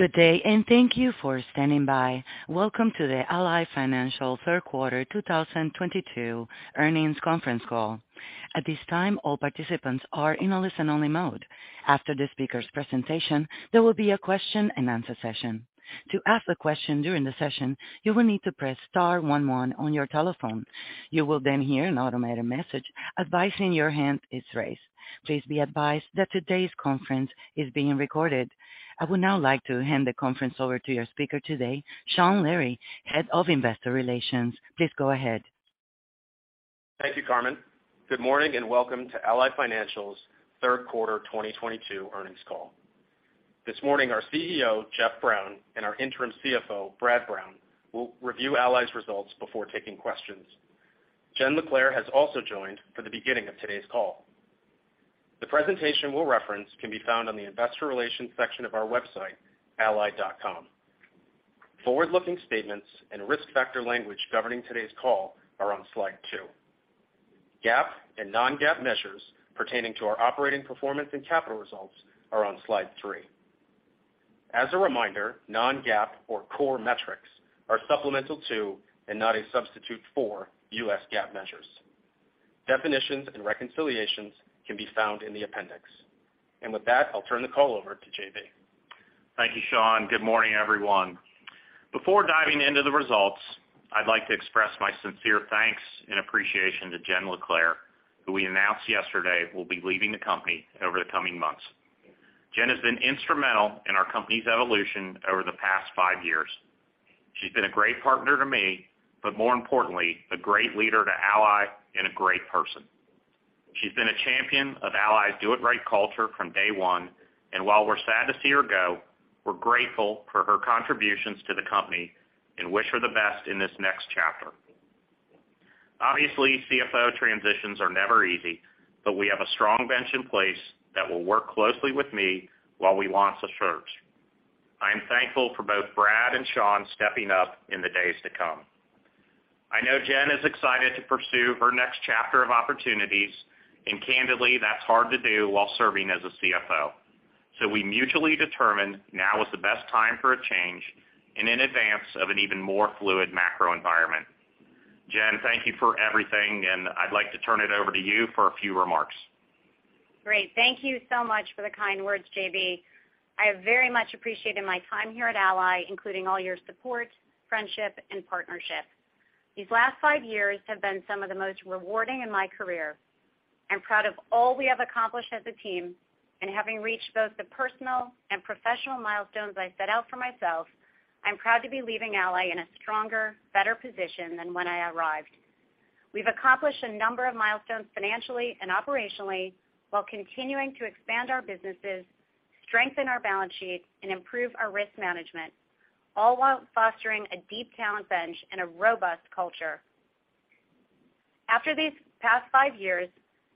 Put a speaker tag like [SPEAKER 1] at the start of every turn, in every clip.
[SPEAKER 1] Good day, and thank you for standing by. Welcome to the Ally Financial third quarter 2022 earnings conference call. At this time, all participants are in a listen-only mode. After the speaker's presentation, there will be a question-and-answer session. To ask a question during the session, you will need to press star one one on your telephone. You will then hear an automated message advising that your hand is raised. Please be advised that today's conference is being recorded. I would now like to hand the conference over to your speaker today, Sean Leary, Head of Investor Relations. Please go ahead.
[SPEAKER 2] Thank you, Carmen. Good morning, and welcome to Ally Financial's third quarter 2022 earnings call. This morning, our CEO, Jeff Brown, and our interim CFO, Brad Brown, will review Ally's results before taking questions. Jenn LaClair has also joined for the beginning of today's call. The presentation we'll reference can be found on the investor relations section of our website, ally.com. Forward-looking statements and risk factor language governing today's call are on slide 2. GAAP and non-GAAP measures pertaining to our operating performance and capital results are on slide 3. As a reminder, non-GAAP, or core metrics, are supplemental to, and not a substitute for, U.S. GAAP measures. Definitions and reconciliations can be found in the appendix. With that, I'll turn the call over to J.B.
[SPEAKER 3] Thank you, Sean. Good morning, everyone. Before diving into the results, I'd like to express my sincere thanks and appreciation to Jenn LaClair, who we announced yesterday will be leaving the company over the coming months. Jenn has been instrumental in our company's evolution over the past five years. She's been a great partner to me, but more importantly, a great leader to Ally and a great person. She's been a champion of Ally's Do It Right culture from day one, and while we're sad to see her go, we're grateful for her contributions to the company and wish her the best in this next chapter. Obviously, CFO transitions are never easy, but we have a strong bench in place that will work closely with me while we launch a search. I am thankful for both Brad and Sean stepping up in the days to come. I know Jenn is excited to pursue her next chapter of opportunities, and candidly, that's hard to do while serving as a CFO. We mutually determined now is the best time for a change and in advance of an even more fluid macro environment. Jen, thank you for everything, and I'd like to turn it over to you for a few remarks.
[SPEAKER 4] Great. Thank you so much for the kind words, J.B. I have very much appreciated my time here at Ally, including all your support, friendship, and partnership. These last five years have been some of the most rewarding in my career. I'm proud of all we have accomplished as a team, and having reached both the personal and professional milestones I set out for myself, I'm proud to be leaving Ally in a stronger, better position than when I arrived. We've accomplished a number of milestones financially and operationally while continuing to expand our businesses, strengthen our balance sheet, and improve our risk management, all while fostering a deep talent bench and a robust culture. After these past five years,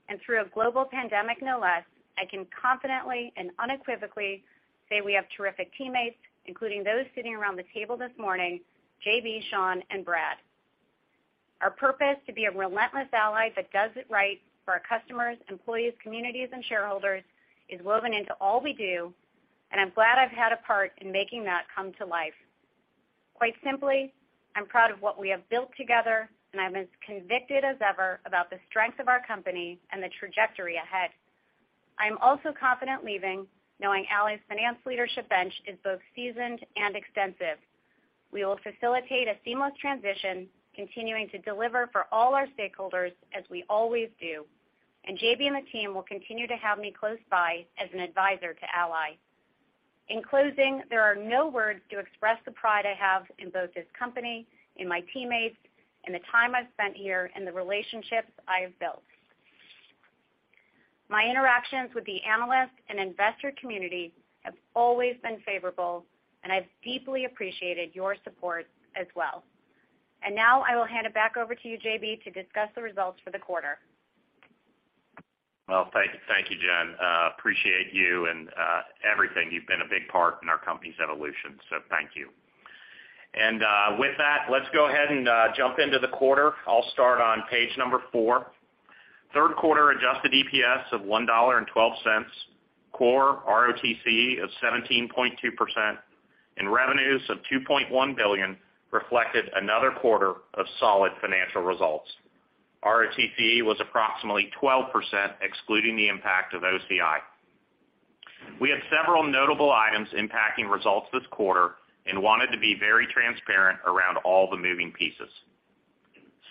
[SPEAKER 4] and through a global pandemic, no less, I can confidently and unequivocally say we have terrific teammates, including those sitting around the table this morning, J.B., Sean, and Brad. Our purpose to be a relentless Ally that does it right for our customers, employees, communities, and shareholders is woven into all we do, and I'm glad I've had a part in making that come to life. Quite simply, I'm proud of what we have built together, and I'm as convicted as ever about the strength of our company and the trajectory ahead. I am also confident leaving knowing Ally's finance leadership bench is both seasoned and extensive. We will facilitate a seamless transition, continuing to deliver for all our stakeholders as we always do, and J.B. and the team will continue to have me close by as an advisor to Ally. In closing, there are no words to express the pride I have in both this company, in my teammates, in the time I've spent here, and the relationships I have built. My interactions with the analyst and investor community have always been favorable, and I've deeply appreciated your support as well. Now I will hand it back over to you, J.B., to discuss the results for the quarter.
[SPEAKER 3] Well, thank you, Jen. Appreciate you and everything. You've been a big part in our company's evolution, so thank you. With that, let's go ahead and jump into the quarter. I'll start on page number four. Third quarter adjusted EPS of $1.12, core ROTCE of 17.2%, and revenues of $2.1 billion reflected another quarter of solid financial results. ROTCE was approximately 12% excluding the impact of OCI. We had several notable items impacting results this quarter and wanted to be very transparent around all the moving pieces.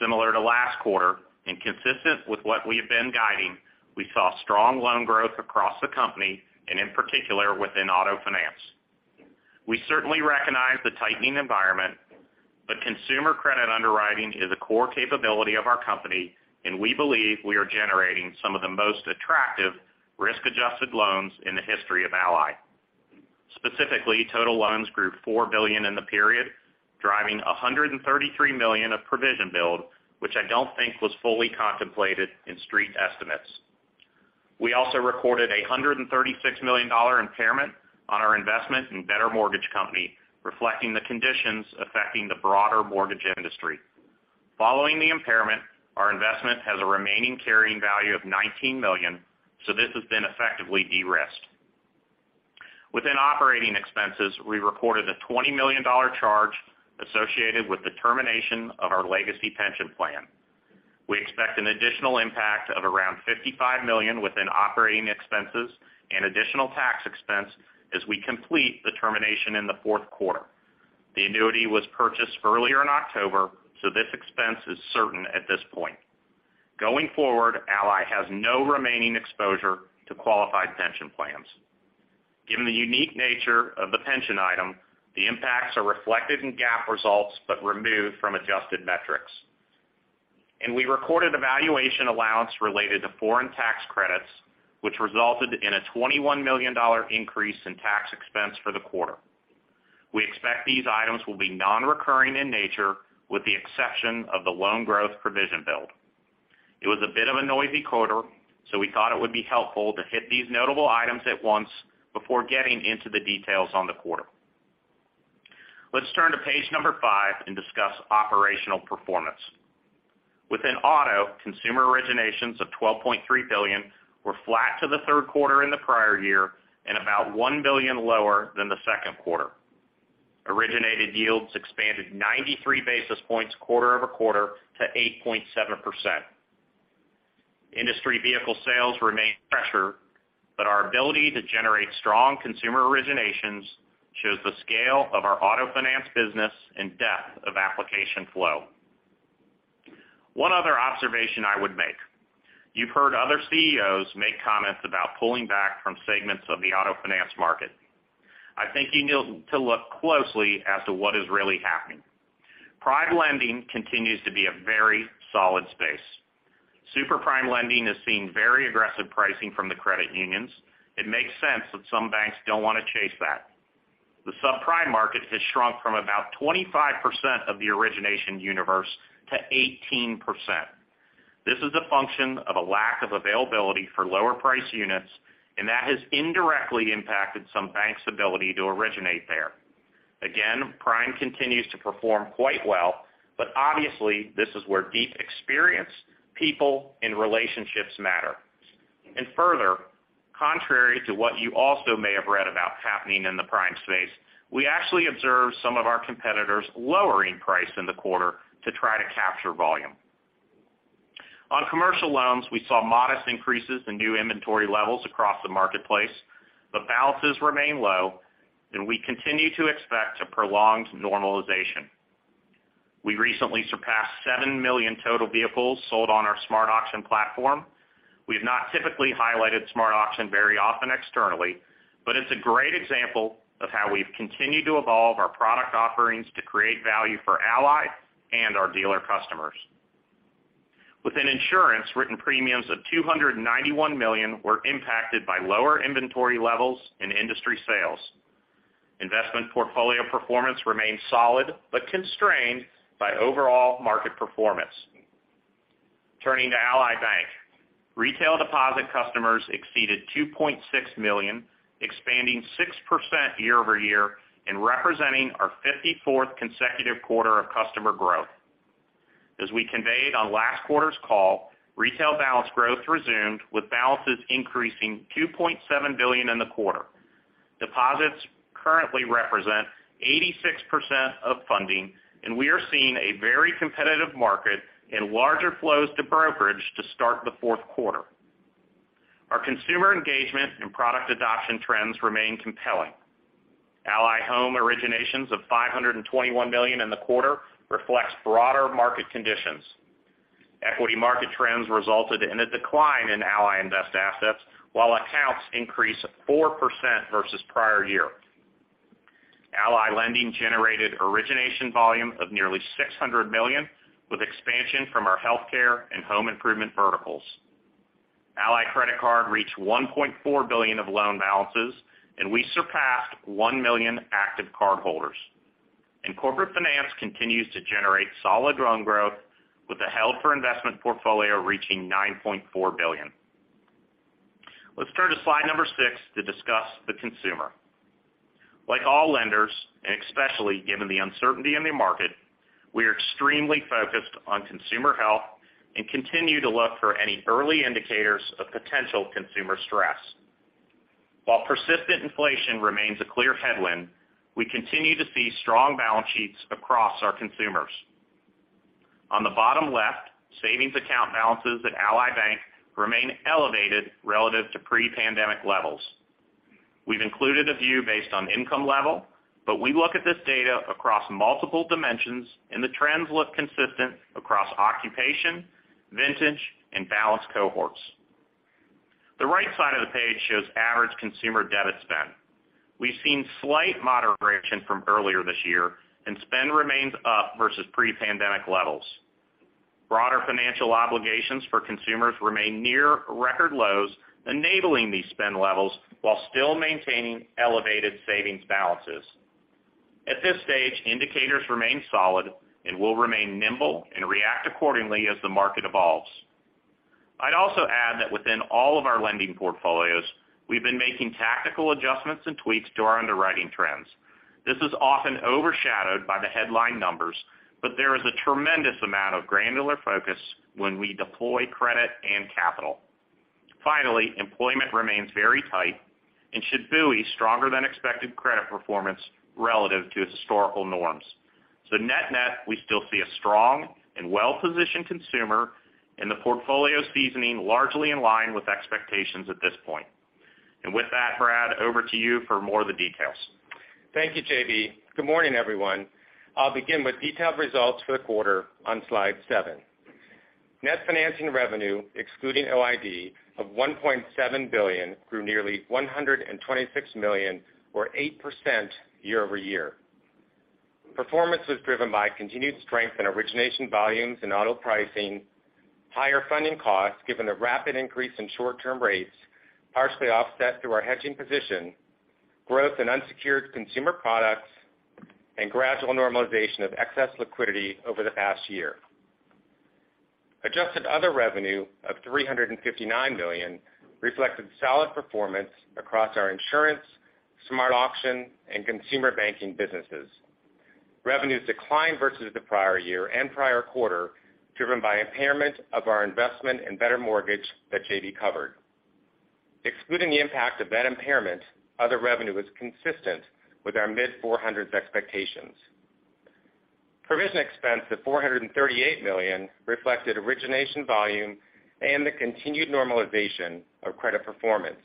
[SPEAKER 3] Similar to last quarter and consistent with what we have been guiding, we saw strong loan growth across the company and in particular within auto finance. We certainly recognize the tightening environment, but consumer credit underwriting is a core capability of our company, and we believe we are generating some of the most attractive risk-adjusted loans in the history of Ally. Specifically, total loans grew $4 billion in the period, driving $133 million of provision build, which I don't think was fully contemplated in Street estimates. We also recorded a $136 million impairment on our investment in Better Mortgage Corporation, reflecting the conditions affecting the broader mortgage industry. Following the impairment, our investment has a remaining carrying value of $19 million, so this has been effectively de-risked. Within operating expenses, we reported a $20 million charge associated with the termination of our legacy pension plan. We expect an additional impact of around $55 million within operating expenses and additional tax expense as we complete the termination in the fourth quarter. The annuity was purchased earlier in October, so this expense is certain at this point. Going forward, Ally has no remaining exposure to qualified pension plans. Given the unique nature of the pension item, the impacts are reflected in GAAP results but removed from adjusted metrics. We recorded a valuation allowance related to foreign tax credits, which resulted in a $21 million increase in tax expense for the quarter. We expect these items will be non-recurring in nature, with the exception of the loan growth provision build. It was a bit of a noisy quarter, so we thought it would be helpful to hit these notable items at once before getting into the details on the quarter. Let's turn to page five and discuss operational performance. Within auto, consumer originations of $12.3 billion were flat to the third quarter in the prior year and about $1 billion lower than the second quarter. Originated yields expanded 93 basis points quarter-over-quarter to 8.7%. Industry vehicle sales remain under pressure, but our ability to generate strong consumer originations shows the scale of our auto finance business and depth of application flow. One other observation I would make. You've heard other CEOs make comments about pulling back from segments of the auto finance market. I think you need to look closely as to what is really happening. Prime lending continues to be a very solid space. Super prime lending has seen very aggressive pricing from the credit unions. It makes sense that some banks don't want to chase that. The subprime market has shrunk from about 25% of the origination universe to 18%. This is a function of a lack of availability for lower price units, and that has indirectly impacted some banks' ability to originate there. Again, prime continues to perform quite well, but obviously, this is where deep experience, people, and relationships matter. Further, contrary to what you also may have read about happening in the prime space, we actually observed some of our competitors lowering price in the quarter to try to capture volume. On commercial loans, we saw modest increases in new inventory levels across the marketplace, but balances remain low, and we continue to expect a prolonged normalization. We recently surpassed 7 million total vehicles sold on our SmartAuction platform. We have not typically highlighted SmartAuction very often externally, but it's a great example of how we've continued to evolve our product offerings to create value for Ally and our dealer customers. Within insurance, written premiums of $291 million were impacted by lower inventory levels and industry sales. Investment portfolio performance remains solid but constrained by overall market performance. Turning to Ally Bank, retail deposit customers exceeded 2.6 million, expanding 6% year-over-year and representing our 54th consecutive quarter of customer growth. As we conveyed on last quarter's call, retail balance growth resumed with balances increasing $2.7 billion in the quarter. Deposits currently represent 86% of funding, and we are seeing a very competitive market and larger flows to brokerage to start the fourth quarter. Our consumer engagement and product adoption trends remain compelling. Ally Home originations of $521 million in the quarter reflects broader market conditions. Equity market trends resulted in a decline in Ally Invest assets while accounts increased 4% versus prior year. Ally Lending generated origination volume of nearly $600 million with expansion from our healthcare and home improvement verticals. Ally Credit Card reached $1.4 billion of loan balances, and we surpassed 1 million active cardholders. Corporate Finance continues to generate solid loan growth with the held for investment portfolio reaching $9.4 billion. Let's turn to slide number 6 to discuss the consumer. Like all lenders, and especially given the uncertainty in the market, we are extremely focused on consumer health and continue to look for any early indicators of potential consumer stress. While persistent inflation remains a clear headwind, we continue to see strong balance sheets across our consumers. On the bottom left, savings account balances at Ally Bank remain elevated relative to pre-pandemic levels. We've included a view based on income level, but we look at this data across multiple dimensions, and the trends look consistent across occupation, vintage, and balance cohorts. The right side of the page shows average consumer debit spend. We've seen slight moderation from earlier this year, and spend remains up versus pre-pandemic levels. Broader financial obligations for consumers remain near record lows, enabling these spend levels while still maintaining elevated savings balances. At this stage, indicators remain solid, and we'll remain nimble and react accordingly as the market evolves. I'd also add that within all of our lending portfolios, we've been making tactical adjustments and tweaks to our underwriting trends. This is often overshadowed by the headline numbers, but there is a tremendous amount of granular focus when we deploy credit and capital. Finally, employment remains very tight and should buoy stronger than expected credit performance relative to historical norms. Net net, we still see a strong and well-positioned consumer and the portfolio seasoning largely in line with expectations at this point. With that, Brad, over to you for more of the details.
[SPEAKER 5] Thank you, J.B. Good morning, everyone. I'll begin with detailed results for the quarter on slide 7. Net financing revenue, excluding OID of $1.7 billion, grew nearly $126 million or 8% year-over-year. Performance was driven by continued strength in origination volumes and auto pricing, higher funding costs given the rapid increase in short-term rates, partially offset through our hedging position, growth in unsecured consumer products, and gradual normalization of excess liquidity over the past year. Adjusted other revenue of $359 million reflected solid performance across our insurance, SmartAuction, and consumer banking businesses. Revenues declined versus the prior year and prior quarter, driven by impairment of our investment in Better Mortgage that J.B. covered. Excluding the impact of that impairment, other revenue was consistent with our mid-400s expectations. Provision expense of $438 million reflected origination volume and the continued normalization of credit performance.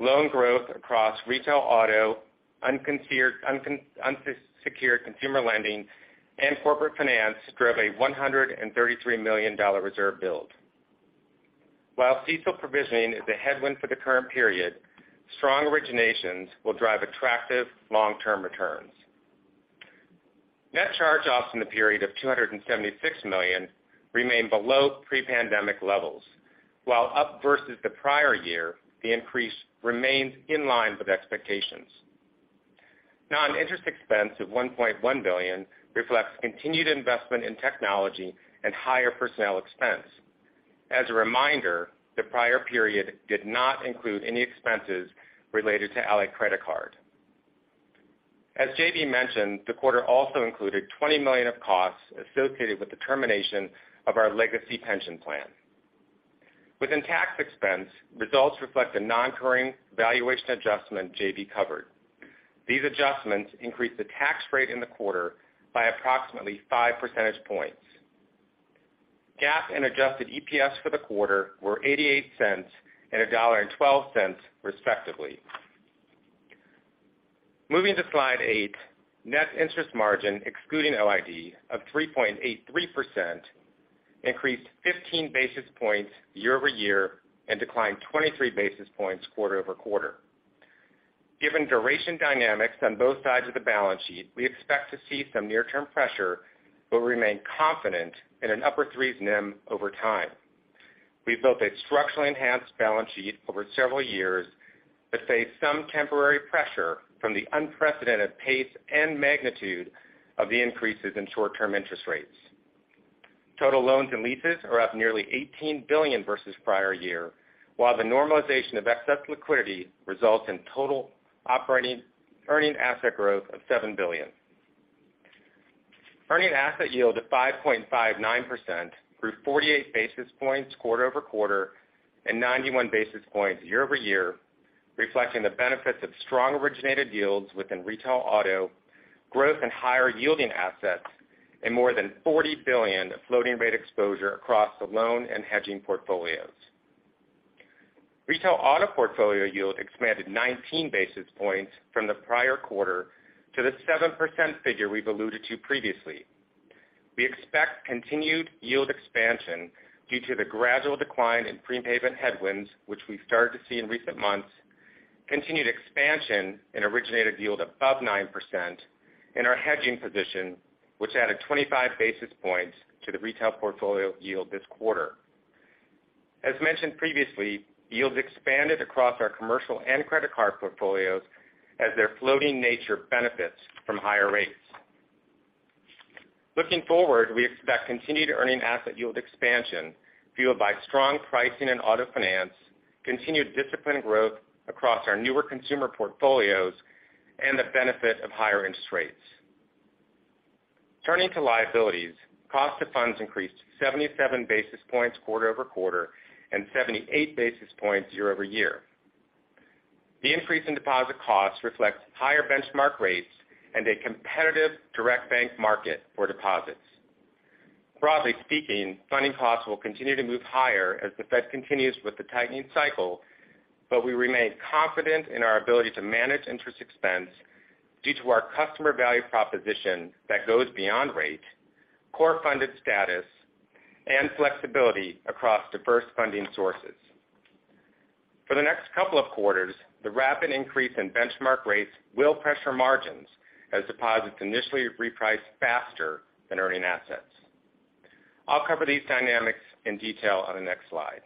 [SPEAKER 5] Loan growth across retail auto, unsecured consumer lending, and Corporate Finance drove a $133 million reserve build. While CECL provisioning is a headwind for the current period, strong originations will drive attractive long-term returns. Net charge-offs in the period of $276 million remain below pre-pandemic levels. While up versus the prior year, the increase remains in line with expectations. Non-interest expense of $1.1 billion reflects continued investment in technology and higher personnel expense. As a reminder, the prior period did not include any expenses related to Ally Credit Card. As J.B. mentioned, the quarter also included $20 million of costs associated with the termination of our legacy pension plan. Within tax expense, results reflect the non-recurring valuation adjustment J.B. covered. These adjustments increased the tax rate in the quarter by approximately five percentage points. GAAP and adjusted EPS for the quarter were $0.88 and $1.12, respectively. Moving to slide 8. Net interest margin excluding LID of 3.83% increased 15 basis points year-over-year and declined 23 basis points quarter-over-quarter. Given duration dynamics on both sides of the balance sheet, we expect to see some near-term pressure but remain confident in an upper threes NIM over time. We've built a structurally enhanced balance sheet over several years that face some temporary pressure from the unprecedented pace and magnitude of the increases in short-term interest rates. Total loans and leases are up nearly $18 billion versus prior year, while the normalization of excess liquidity results in total operating earning asset growth of $7 billion. Earning asset yield of 5.59% grew 48 basis points quarter-over-quarter and 91 basis points year-over-year, reflecting the benefits of strong originated yields within retail auto, growth in higher yielding assets, and more than $40 billion of floating rate exposure across the loan and hedging portfolios. Retail auto portfolio yield expanded 19 basis points from the prior quarter to the 7% figure we've alluded to previously. We expect continued yield expansion due to the gradual decline in prepayment headwinds, which we've started to see in recent months, continued expansion in originated yield above 9% in our hedging position, which added 25 basis points to the retail portfolio yield this quarter. As mentioned previously, yields expanded across our commercial and credit card portfolios as their floating nature benefits from higher rates. Looking forward, we expect continued earning asset yield expansion fueled by strong pricing in auto finance, continued disciplined growth across our newer consumer portfolios, and the benefit of higher interest rates. Turning to liabilities, cost of funds increased 77 basis points quarter-over-quarter and 78 basis points year-over-year. The increase in deposit costs reflects higher benchmark rates and a competitive direct bank market for deposits. Broadly speaking, funding costs will continue to move higher as the Fed continues with the tightening cycle, but we remain confident in our ability to manage interest expense due to our customer value proposition that goes beyond rate, core funded status, and flexibility across diverse funding sources. For the next couple of quarters, the rapid increase in benchmark rates will pressure margins as deposits initially reprice faster than earning assets. I'll cover these dynamics in detail on the next slide.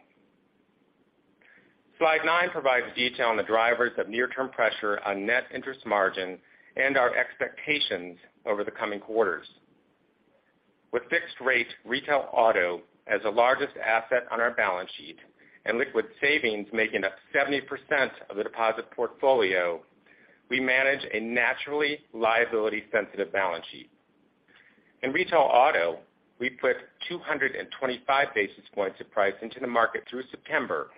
[SPEAKER 5] Slide nine provides detail on the drivers of near-term pressure on net interest margin and our expectations over the coming quarters. With fixed-rate retail auto as the largest asset on our balance sheet and liquid savings making up 70% of the deposit portfolio, we manage a naturally liability-sensitive balance sheet. In retail auto, we put 225 basis points of price into the market through September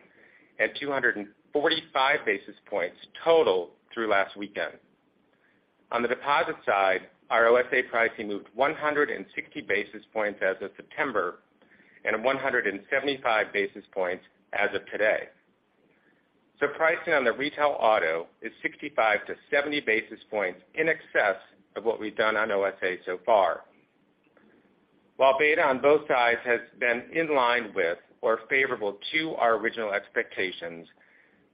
[SPEAKER 5] and 245 basis points total through last weekend. On the deposit side, our OSA pricing moved 160 basis points as of September and 175 basis points as of today. Pricing on the retail auto is 65-70 basis points in excess of what we've done on OSA so far. While beta on both sides has been in line with or favorable to our original expectations,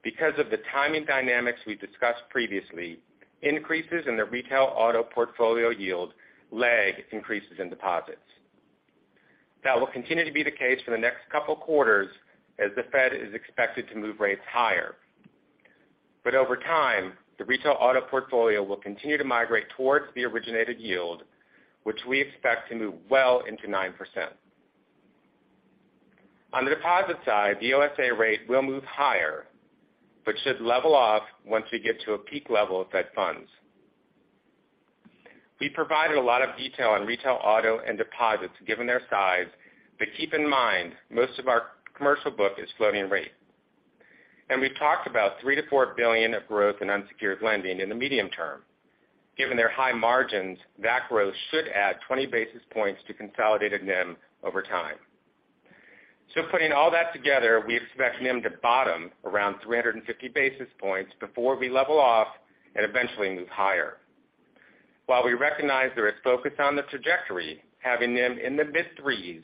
[SPEAKER 5] because of the timing dynamics we discussed previously, increases in the retail auto portfolio yield lag increases in deposits. That will continue to be the case for the next couple quarters as the Fed is expected to move rates higher. Over time, the retail auto portfolio will continue to migrate towards the originated yield, which we expect to move well into 9%. On the deposit side, the OSA rate will move higher, but should level off once we get to a peak level of Fed funds. We provided a lot of detail on retail auto and deposits given their size, but keep in mind, most of our commercial book is floating rate. We've talked about $3 billion-$4 billion of growth in unsecured lending in the medium term. Given their high margins, that growth should add 20 basis points to consolidated NIM over time. Putting all that together, we expect NIM to bottom around 350 basis points before we level off and eventually move higher. While we recognize there is focus on the trajectory, having NIM in the mid threes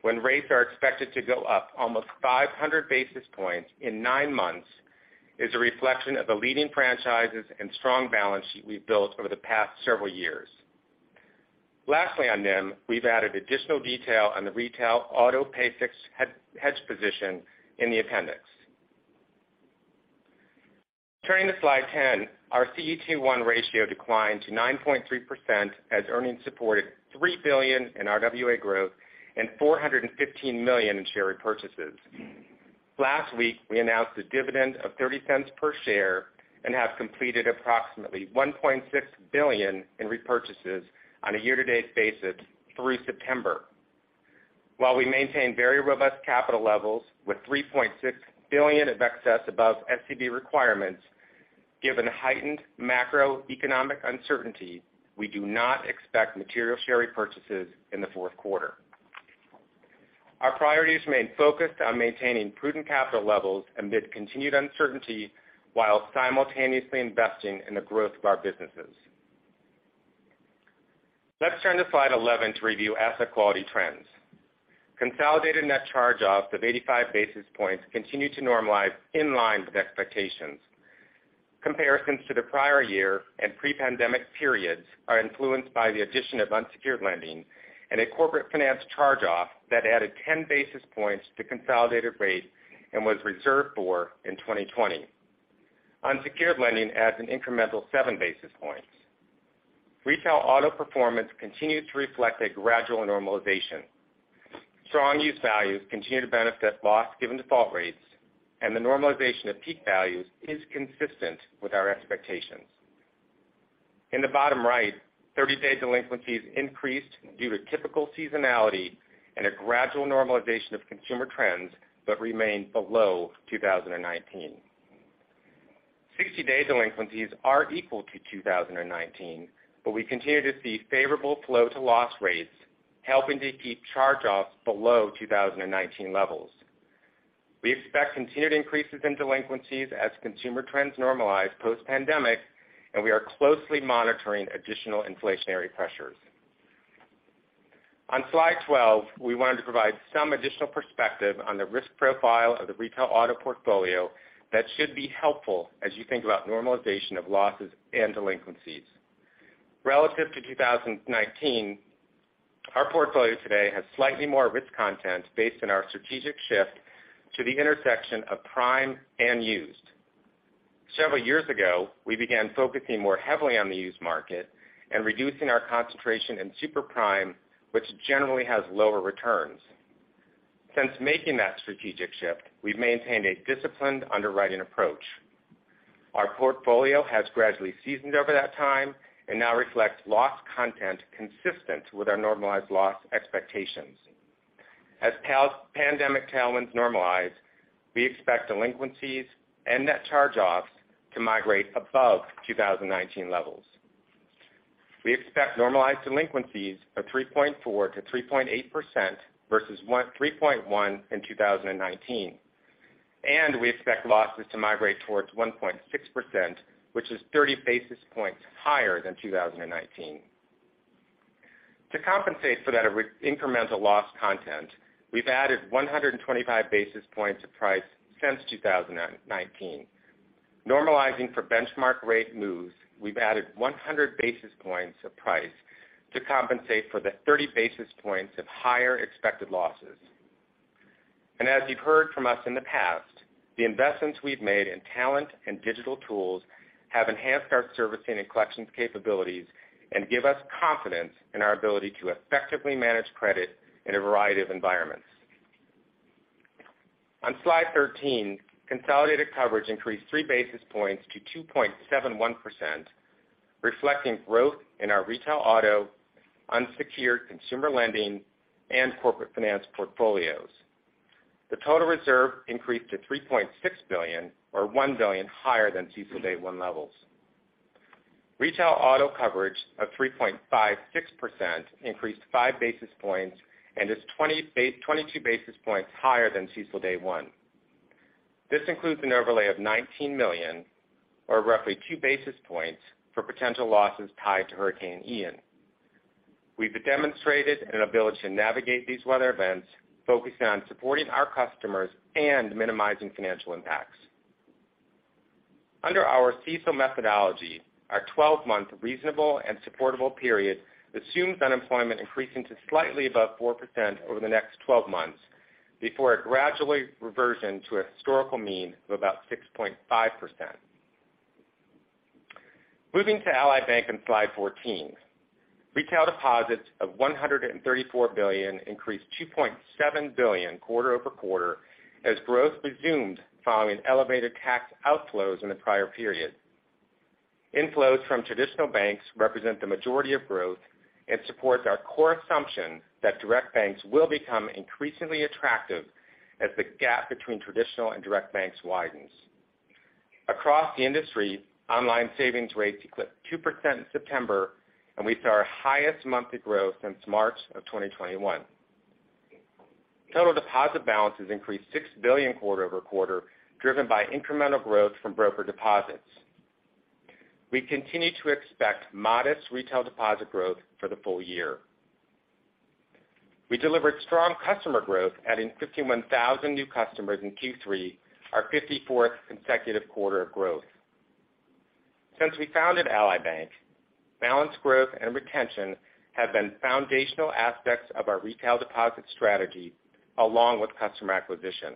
[SPEAKER 5] when rates are expected to go up almost 500 basis points in nine months is a reflection of the leading franchises and strong balance sheet we've built over the past several years. Lastly on NIM, we've added additional detail on the retail auto pay fixed hedge position in the appendix. Turning to slide 10, our CET1 ratio declined to 9.3% as earnings supported $3 billion in RWA growth and $415 million in share repurchases. Last week, we announced a dividend of $0.30 per share and have completed approximately $1.6 billion in repurchases on a year-to-date basis through September. While we maintain very robust capital levels with $3.6 billion of excess above SCB requirements, given heightened macroeconomic uncertainty, we do not expect material share repurchases in the fourth quarter. Our priorities remain focused on maintaining prudent capital levels amid continued uncertainty while simultaneously investing in the growth of our businesses. Let's turn to slide 11 to review asset quality trends. Consolidated net charge-offs of 85 basis points continue to normalize in line with expectations. Comparisons to the prior year and pre-pandemic periods are influenced by the addition of unsecured lending and a corporate finance charge-off that added 10 basis points to consolidated rate and was reserved for in 2020. Unsecured lending adds an incremental 7 basis points. Retail auto performance continued to reflect a gradual normalization. Strong used values continue to benefit loss given default rates, and the normalization of peak values is consistent with our expectations. In the bottom right, 30-day delinquencies increased due to typical seasonality and a gradual normalization of consumer trends, but remained below 2019. 60-day delinquencies are equal to 2019, but we continue to see favorable flow to loss rates, helping to keep charge-offs below 2019 levels. We expect continued increases in delinquencies as consumer trends normalize post-pandemic, and we are closely monitoring additional inflationary pressures. On slide 12, we wanted to provide some additional perspective on the risk profile of the retail auto portfolio that should be helpful as you think about normalization of losses and delinquencies. Relative to 2019, our portfolio today has slightly more risk content based on our strategic shift to the intersection of prime and used. Several years ago, we began focusing more heavily on the used market and reducing our concentration in super prime, which generally has lower returns. Since making that strategic shift, we've maintained a disciplined underwriting approach. Our portfolio has gradually seasoned over that time and now reflects loss content consistent with our normalized loss expectations. As post-pandemic tailwinds normalize, we expect delinquencies and net charge-offs to migrate above 2019 levels. We expect normalized delinquencies of 3.4%-3.8% versus 1.3% in 2019, and we expect losses to migrate towards 1.6%, which is 30 basis points higher than 2019. To compensate for that incremental loss content, we've added 125 basis points of price since 2019. Normalizing for benchmark rate moves, we've added 100 basis points of price to compensate for the 30 basis points of higher expected losses. As you've heard from us in the past, the investments we've made in talent and digital tools have enhanced our servicing and collections capabilities and give us confidence in our ability to effectively manage credit in a variety of environments. On Slide 13, consolidated coverage increased 3 basis points to 2.71%, reflecting growth in our retail auto, unsecured consumer lending, and corporate finance portfolios. The total reserve increased to $3.6 billion or $1 billion higher than CECL day one levels. Retail auto coverage of 3.56% increased 5 basis points and is 22 basis points higher than CECL day one. This includes an overlay of $19 million, or roughly two basis points for potential losses tied to Hurricane Ian. We've demonstrated an ability to navigate these weather events, focusing on supporting our customers and minimizing financial impacts. Under our CECL methodology, our twelve-month reasonable and supportable period assumes unemployment increasing to slightly above 4% over the next twelve months before a gradually reversion to a historical mean of about 6.5%. Moving to Ally Bank on Slide 14. Retail deposits of $134 billion increased $2.7 billion quarter-over-quarter as growth resumed following elevated tax outflows in the prior period. Inflows from traditional banks represent the majority of growth and supports our core assumption that direct banks will become increasingly attractive as the gap between traditional and direct banks widens. Across the industry, online savings rates exceeded 2% in September, and we saw our highest monthly growth since March 2021. Total deposit balances increased $6 billion quarter-over-quarter, driven by incremental growth from broker deposits. We continue to expect modest retail deposit growth for the full year. We delivered strong customer growth, adding 51,000 new customers in Q3, our 54th consecutive quarter of growth. Since we founded Ally Bank, balance growth and retention have been foundational aspects of our retail deposit strategy along with customer acquisition.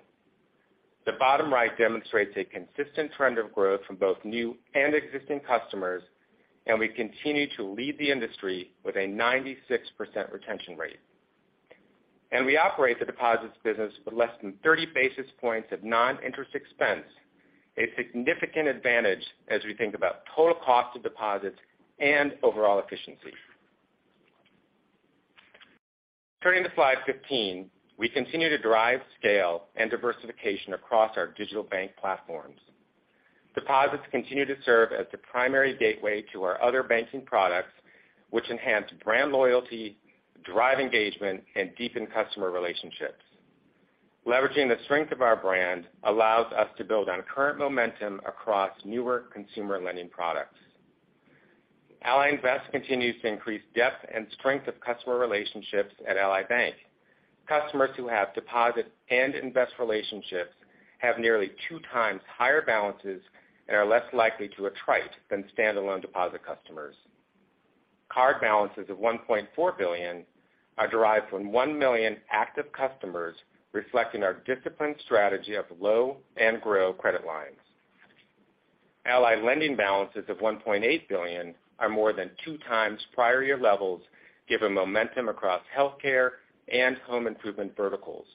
[SPEAKER 5] The bottom right demonstrates a consistent trend of growth from both new and existing customers, and we continue to lead the industry with a 96% retention rate. We operate the deposits business with less than 30 basis points of non-interest expense, a significant advantage as we think about total cost of deposits and overall efficiency. Turning to Slide 15, we continue to drive scale and diversification across our digital bank platforms. Deposits continue to serve as the primary gateway to our other banking products, which enhance brand loyalty, drive engagement, and deepen customer relationships. Leveraging the strength of our brand allows us to build on current momentum across newer consumer lending products. Ally Invest continues to increase depth and strength of customer relationships at Ally Bank. Customers who have deposit and Invest relationships have nearly two times higher balances and are less likely to attrite than standalone deposit customers. Card balances of $1.4 billion are derived from 1 million active customers, reflecting our disciplined strategy of low and grow credit lines. Ally Lending balances of $1.8 billion are more than two times prior year levels, given momentum across healthcare and home improvement verticals.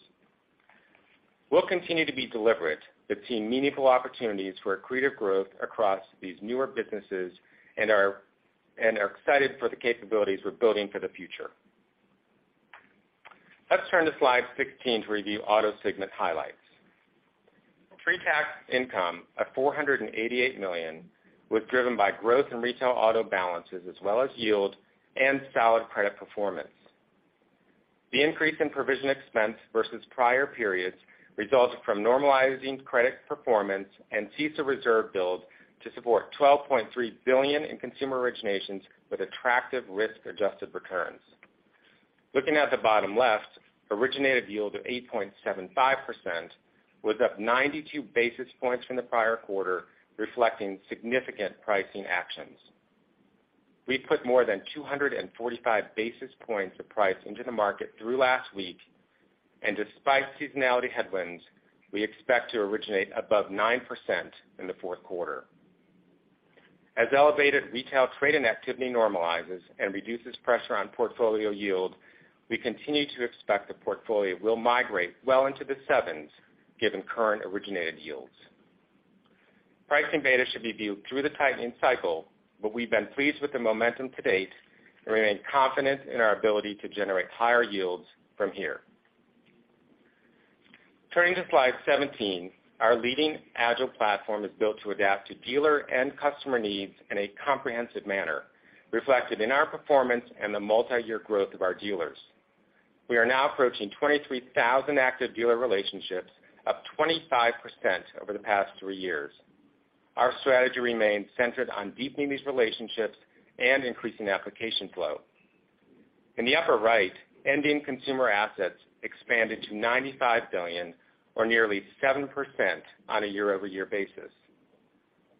[SPEAKER 5] We'll continue to be deliberate but see meaningful opportunities for accretive growth across these newer businesses and are excited for the capabilities we're building for the future. Let's turn to Slide 16 to review Auto segment's highlights. Pre-tax income of $488 million was driven by growth in retail auto balances as well as yield and solid credit performance. The increase in provision expense versus prior periods resulted from normalizing credit performance and CECL reserve build to support $12.3 billion in consumer originations with attractive risk-adjusted returns. Looking at the bottom left, originated yield of 8.75% was up 92 basis points from the prior quarter, reflecting significant pricing actions. We put more than 245 basis points of price into the market through last week. Despite seasonality headwinds, we expect to originate above 9% in the fourth quarter. As elevated retail trade and activity normalizes and reduces pressure on portfolio yield, we continue to expect the portfolio will migrate well into the sevens given current originated yields. Pricing beta should be viewed through the tightening cycle, but we've been pleased with the momentum to date and remain confident in our ability to generate higher yields from here. Turning to slide 17, our leading agile platform is built to adapt to dealer and customer needs in a comprehensive manner, reflected in our performance and the multi-year growth of our dealers. We are now approaching 23,000 active dealer relationships, up 25% over the past three years. Our strategy remains centered on deepening these relationships and increasing application flow. In the upper right, ending consumer assets expanded to $95 billion, or nearly 7% on a year-over-year basis.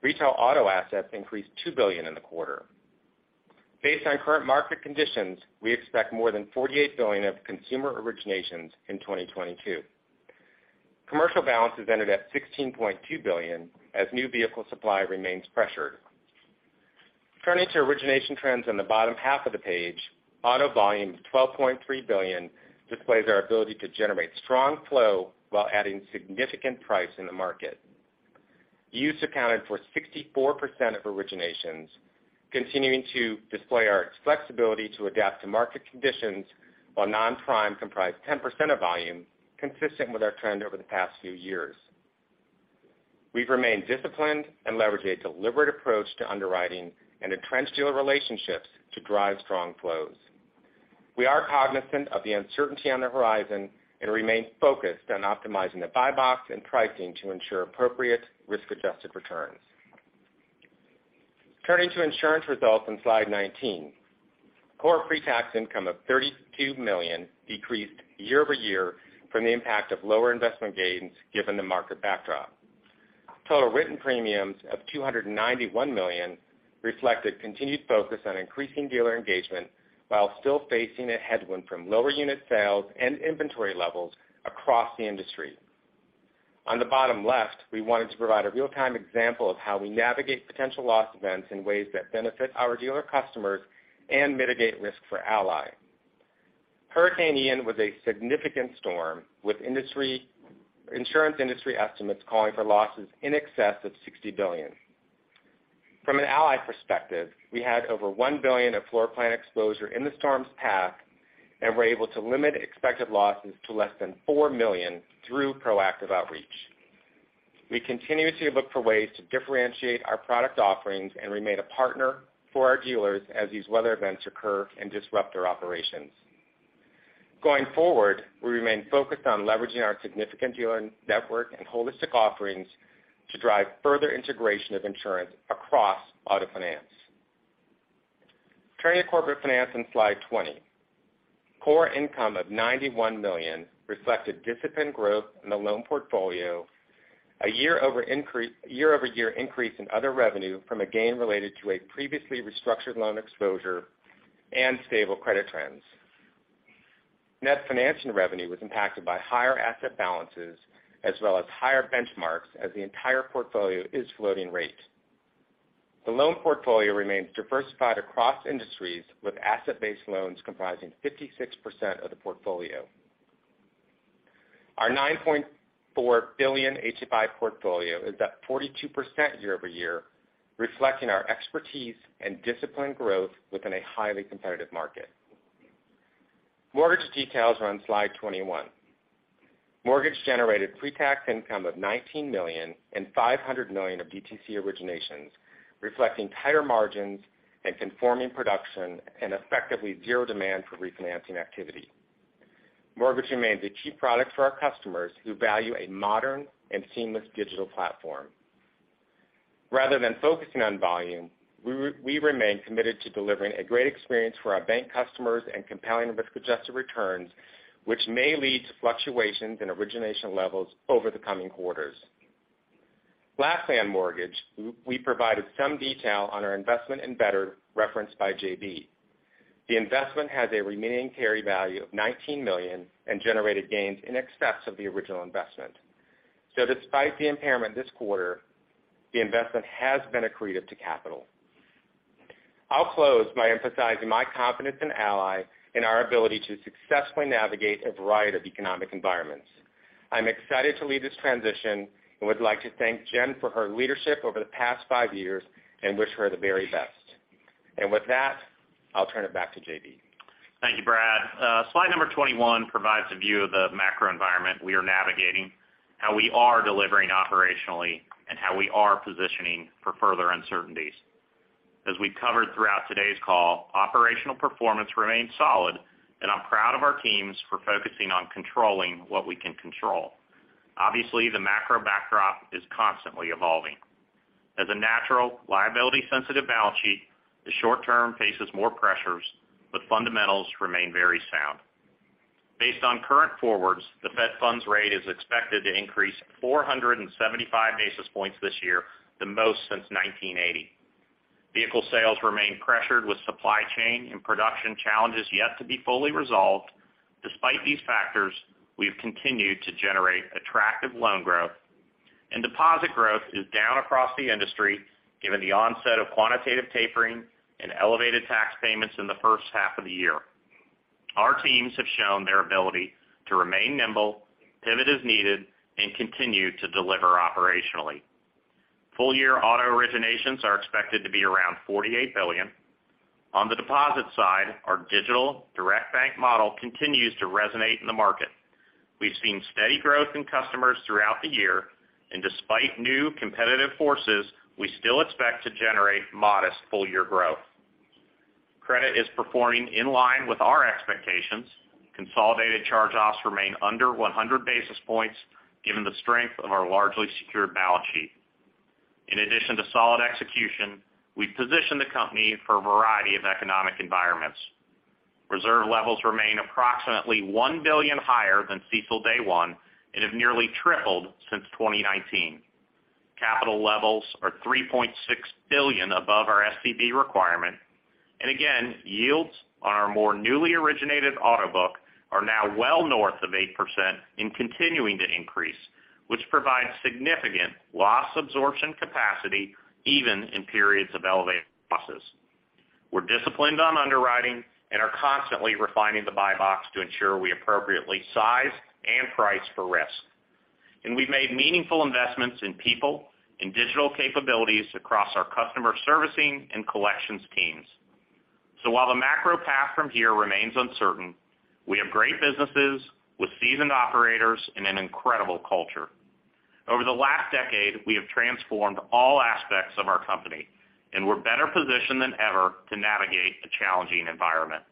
[SPEAKER 5] Retail auto assets increased $2 billion in the quarter. Based on current market conditions, we expect more than $48 billion of consumer originations in 2022. Commercial balances ended at $16.2 billion as new vehicle supply remains pressured. Turning to origination trends on the bottom half of the page, auto volume of $12.3 billion displays our ability to generate strong flow while adding significant pricing in the market. Used accounted for 64% of originations, continuing to display our flexibility to adapt to market conditions while non-prime comprised 10% of volume, consistent with our trend over the past few years. We've remained disciplined and leveraged a deliberate approach to underwriting and entrenched dealer relationships to drive strong flows. We are cognizant of the uncertainty on the horizon and remain focused on optimizing the buy box and pricing to ensure appropriate risk-adjusted returns. Turning to insurance results on slide 19. Core pre-tax income of $32 million decreased year-over-year from the impact of lower investment gains given the market backdrop. Total written premiums of $291 million reflected continued focus on increasing dealer engagement while still facing a headwind from lower unit sales and inventory levels across the industry. On the bottom left, we wanted to provide a real-time example of how we navigate potential loss events in ways that benefit our dealer customers and mitigate risk for Ally. Hurricane Ian was a significant storm with insurance industry estimates calling for losses in excess of $60 billion. From an Ally perspective, we had over $1 billion of floor plan exposure in the storm's path and were able to limit expected losses to less than $4 million through proactive outreach. We continuously look for ways to differentiate our product offerings and remain a partner for our dealers as these weather events occur and disrupt their operations. Going forward, we remain focused on leveraging our significant dealer network and holistic offerings to drive further integration of insurance across auto finance. Turning to corporate finance on slide 20. Core income of $91 million reflected disciplined growth in the loan portfolio, a year-over-year increase in other revenue from a gain related to a previously restructured loan exposure and stable credit trends. Net financing revenue was impacted by higher asset balances as well as higher benchmarks as the entire portfolio is floating rate. The loan portfolio remains diversified across industries, with asset-based loans comprising 56% of the portfolio. Our $9.4 billion HFI portfolio is up 42% year-over-year, reflecting our expertise and disciplined growth within a highly competitive market. Mortgage details are on slide 21. Mortgage-generated pre-tax income of $19 million and $500 million of DTC originations, reflecting tighter margins and conforming production and effectively zero demand for refinancing activity. Mortgage remains a key product for our customers who value a modern and seamless digital platform. Rather than focusing on volume, we remain committed to delivering a great experience for our bank customers and compelling risk-adjusted returns, which may lead to fluctuations in origination levels over the coming quarters. Last on mortgage, we provided some detail on our investment in Better referenced by J.B. The investment has a remaining carry value of $19 million and generated gains in excess of the original investment. Despite the impairment this quarter, the investment has been accretive to capital. I'll close by emphasizing my confidence in Ally and our ability to successfully navigate a variety of economic environments. I'm excited to lead this transition and would like to thank Jenn for her leadership over the past five years and wish her the very best. With that, I'll turn it back to J.B.
[SPEAKER 3] Thank you, Brad. Slide number 21 provides a view of the macro environment we are navigating, how we are delivering operationally, and how we are positioning for further uncertainties. As we covered throughout today's call, operational performance remains solid, and I'm proud of our teams for focusing on controlling what we can control. Obviously, the macro backdrop is constantly evolving. As a natural liability-sensitive balance sheet, the short term faces more pressures, but fundamentals remain very sound. Based on current forwards, the Fed funds rate is expected to increase 475 basis points this year, the most since 1980. Vehicle sales remain pressured with supply chain and production challenges yet to be fully resolved. Despite these factors, we have continued to generate attractive loan growth, and deposit growth is down across the industry, given the onset of quantitative tapering and elevated tax payments in the first half of the year. Our teams have shown their ability to remain nimble, pivot as needed and continue to deliver operationally. Full-year auto originations are expected to be around $48 billion. On the deposit side, our digital direct bank model continues to resonate in the market. We've seen steady growth in customers throughout the year and despite new competitive forces, we still expect to generate modest full-year growth. Credit is performing in line with our expectations. Consolidated charge-offs remain under 100 basis points given the strength of our largely secured balance sheet. In addition to solid execution, we've positioned the company for a variety of economic environments. Reserve levels remain approximately $1 billion higher than CECL day one and have nearly tripled since 2019. Capital levels are $3.6 billion above our SCB requirement. Again, yields on our more newly originated auto book are now well north of 8% and continuing to increase, which provides significant loss absorption capacity even in periods of elevated losses. We're disciplined on underwriting and are constantly refining the buy box to ensure we appropriately size and price for risk. We've made meaningful investments in people, in digital capabilities across our customer servicing and collections teams. While the macro path from here remains uncertain, we have great businesses with seasoned operators and an incredible culture. Over the last decade, we have transformed all aspects of our company, and we're better positioned than ever to navigate a challenging environment.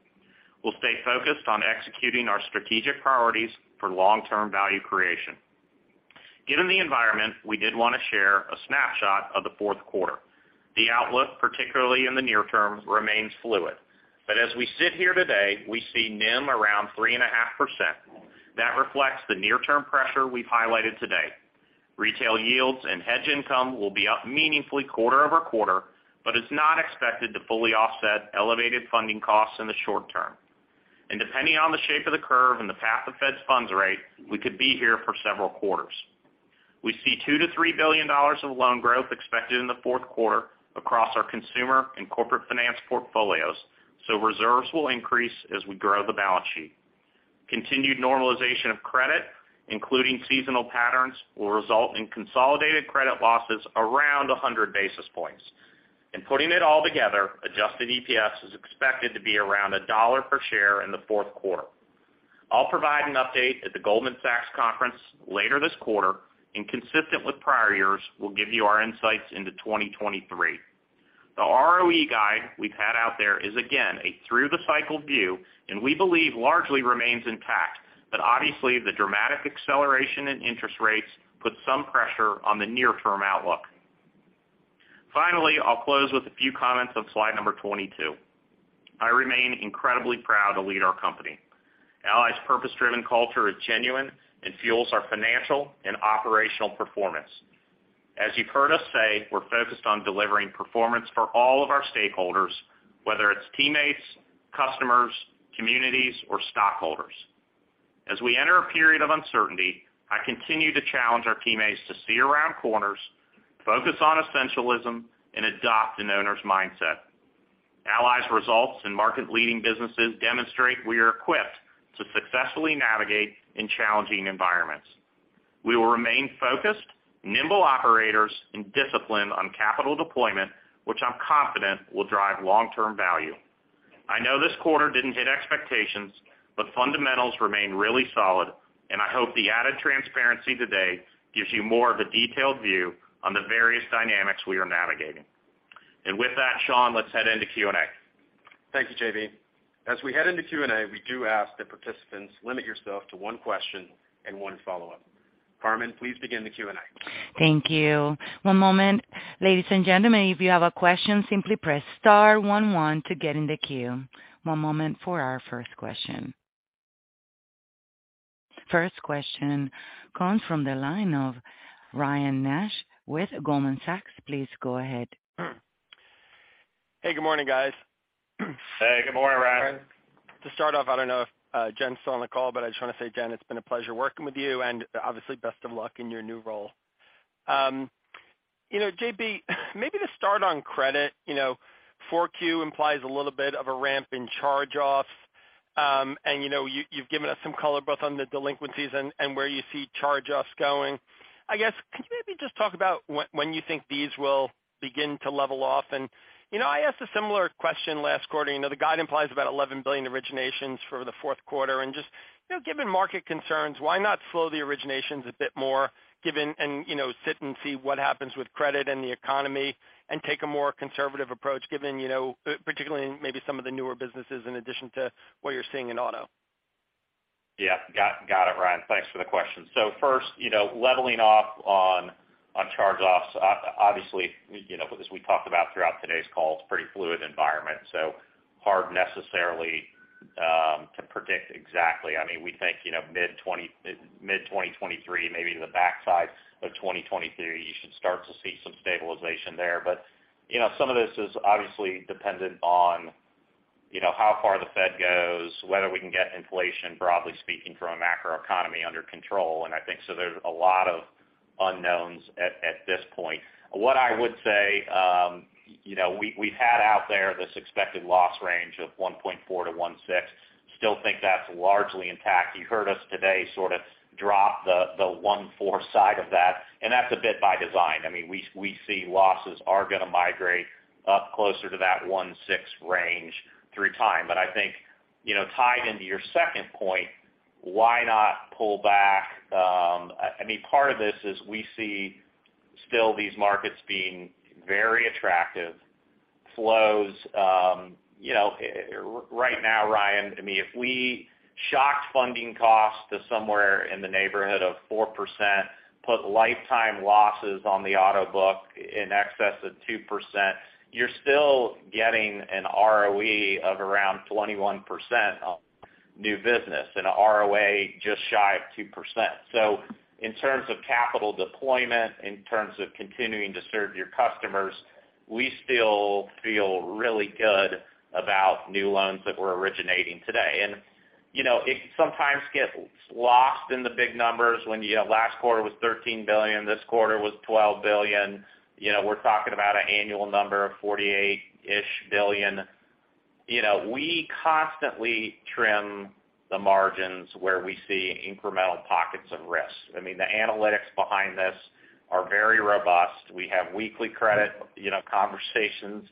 [SPEAKER 3] We'll stay focused on executing our strategic priorities for long-term value creation. Given the environment, we did want to share a snapshot of the fourth quarter. The outlook, particularly in the near term, remains fluid. As we sit here today, we see NIM around 3.5%. That reflects the near-term pressure we've highlighted today. Retail yields and hedge income will be up meaningfully quarter-over-quarter, but it's not expected to fully offset elevated funding costs in the short term. Depending on the shape of the curve and the path of Fed funds rate, we could be here for several quarters. We see $2 billion-$3 billion of loan growth expected in the fourth quarter across our consumer and Corporate Finance portfolios, so reserves will increase as we grow the balance sheet. Continued normalization of credit, including seasonal patterns, will result in consolidated credit losses around 100 basis points. Putting it all together, adjusted EPS is expected to be around $1 per share in the fourth quarter. I'll provide an update at the Goldman Sachs conference later this quarter and consistent with prior years, we'll give you our insights into 2023. The ROE guide we've had out there is again a through the cycle view and we believe largely remains intact. Obviously the dramatic acceleration in interest rates puts some pressure on the near-term outlook. Finally, I'll close with a few comments on slide number 22. I remain incredibly proud to lead our company. Ally's purpose-driven culture is genuine and fuels our financial and operational performance. As you've heard us say, we're focused on delivering performance for all of our stakeholders, whether it's teammates, customers, communities, or stockholders. As we enter a period of uncertainty, I continue to challenge our teammates to see around corners, focus on essentialism, and adopt an owner's mindset. Ally's results and market-leading businesses demonstrate we are equipped to successfully navigate in challenging environments. We will remain focused, nimble operators and disciplined on capital deployment, which I'm confident will drive long-term value. I know this quarter didn't hit expectations, but fundamentals remain really solid, and I hope the added transparency today gives you more of a detailed view on the various dynamics we are navigating. With that, Sean, let's head into Q&A.
[SPEAKER 2] Thank you, J.B. As we head into Q&A, we do ask that participants limit yourself to one question and one follow-up. Carmen, please begin the Q&A.
[SPEAKER 1] Thank you. One moment. Ladies and gentlemen, if you have a question, simply press star one one to get in the queue. One moment for our first question. First question comes from the line of Ryan Nash with Goldman Sachs. Please go ahead.
[SPEAKER 6] Hey, good morning, guys.
[SPEAKER 3] Hey, good morning, Ryan.
[SPEAKER 6] To start off, I don't know if Jen's still on the call, but I just want to say, Jen, it's been a pleasure working with you and obviously best of luck in your new role. You know, J.B., maybe to start on credit. You know, Q4 implies a little bit of a ramp in charge-offs. You know, you've given us some color both on the delinquencies and where you see charge-offs going. I guess, can you maybe just talk about when you think these will begin to level off? You know, I asked a similar question last quarter. You know, the guide implies about $11 billion originations for the fourth quarter. Just, you know, given market concerns, why not slow the originations a bit more, you know, sit and see what happens with credit and the economy and take a more conservative approach given, you know, particularly in maybe some of the newer businesses in addition to what you're seeing in auto?
[SPEAKER 3] Got it, Ryan. Thanks for the question. First, you know, leveling off on charge-offs. Obviously, you know, as we talked about throughout today's call, it's pretty fluid environment, so hard necessarily to predict exactly. I mean, we think, you know, mid-2023, maybe the backside of 2023, you should start to see some stabilization there. You know, some of this is obviously dependent on, you know, how far the Fed goes, whether we can get inflation, broadly speaking, from a macroeconomy under control. I think so there's a lot of unknowns at this point. What I would say, you know, we've had out there this expected loss range of 1.4%-1.6%. Still think that's largely intact. You heard us today sort of drop the 1.4 side of that, and that's a bit by design. I mean, we see losses are going to migrate up closer to that 1.6 range through time. I think, you know, tied into your second point, why not pull back? I mean, part of this is we see still these markets being very attractive, you know, right now, Ryan. I mean, if we shocked funding costs to somewhere in the neighborhood of 4%, put lifetime losses on the auto book in excess of 2%, you're still getting an ROE of around 21% on new business and a ROA just shy of 2%. In terms of capital deployment, in terms of continuing to serve your customers, we still feel really good about new loans that we're originating today. You know, it sometimes gets lost in the big numbers when, you know, last quarter was $13 billion, this quarter was $12 billion. You know, we're talking about an annual number of $48 billion-ish. You know, we constantly trim the margins where we see incremental pockets of risk. I mean, the analytics behind this are very robust. We have weekly credit, you know, conversations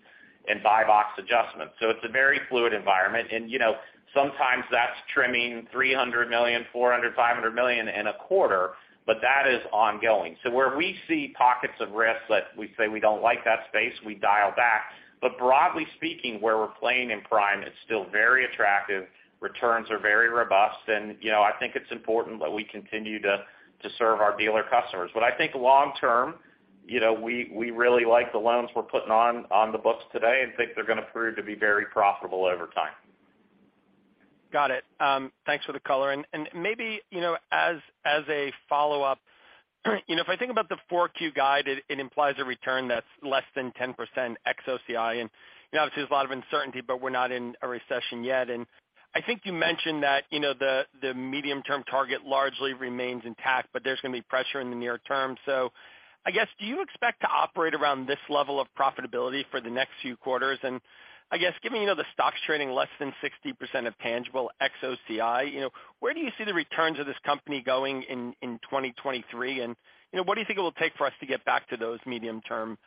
[SPEAKER 3] and buy box adjustments. It's a very fluid environment. You know, sometimes that's trimming $300 million, $400 million, $500 million in a quarter, but that is ongoing. Where we see pockets of risk that we say we don't like that space, we dial back. Broadly speaking, where we're playing in Prime, it's still very attractive. Returns are very robust. You know, I think it's important that we continue to serve our dealer customers. I think long term, you know, we really like the loans we're putting on the books today and think they're going to prove to be very profitable over time.
[SPEAKER 6] Got it. Thanks for the color. Maybe, you know, as a follow-up, you know, if I think about the 4Q guide, it implies a return that's less than 10% ex OCI. Obviously there's a lot of uncertainty, but we're not in a recession yet. I think you mentioned that, you know, the medium-term target largely remains intact, but there's going to be pressure in the near term. I guess, do you expect to operate around this level of profitability for the next few quarters? I guess, given you know, the stock's trading less than 60% of tangible ex OCI, you know, where do you see the returns of this company going in 2023? You know, what do you think it will take for us to get back to those medium-term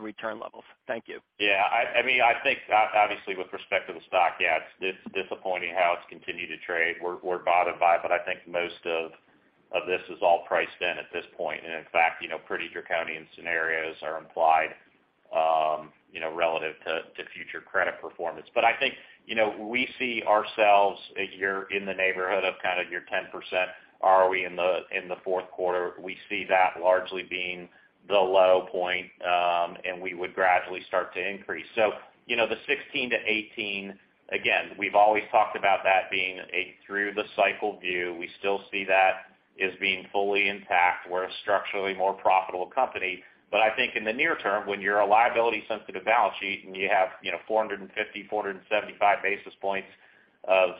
[SPEAKER 6] return levels? Thank you.
[SPEAKER 3] Yeah, I mean, I think, obviously with respect to the stock, yeah, it's disappointing how it's continued to trade. We're bothered by it, but I think most of this is all priced in at this point. In fact, you know, pretty draconian scenarios are implied, you know, relative to future credit performance. I think, you know, we see ourselves a year in the neighborhood of kind of your 10% ROE in the fourth quarter. We see that largely being the low point, and we would gradually start to increase. You know, the 16%-18%, again, we've always talked about that being a through the cycle view. We still see that as being fully intact. We're a structurally more profitable company. I think in the near term, when you're a liability sensitive balance sheet and you have, you know, 475 basis points of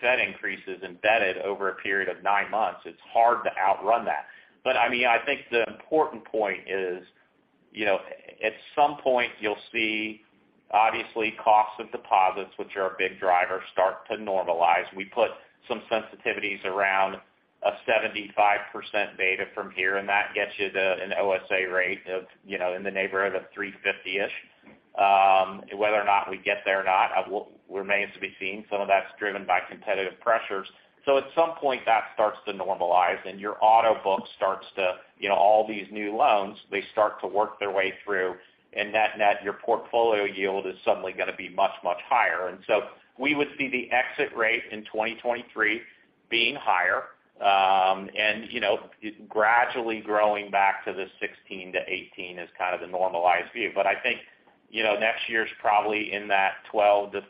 [SPEAKER 3] Fed increases embedded over a period of nine months, it's hard to outrun that. I mean, I think the important point is, you know, at some point you'll see obviously cost of deposits, which are a big driver, start to normalize. We put some sensitivities around a 75% beta from here, and that gets you to an OSA rate of, you know, in the neighborhood of 3.50-ish. Whether or not we get there or not, remains to be seen. Some of that's driven by competitive pressures. At some point, that starts to normalize and your auto book starts to, you know, all these new loans, they start to work their way through. Net net, your portfolio yield is suddenly going to be much, much higher. We would see the exit rate in 2023 being higher, and, you know, gradually growing back to the 16%-18% as kind of the normalized view. I think, you know, next year is probably in that 12%-13+%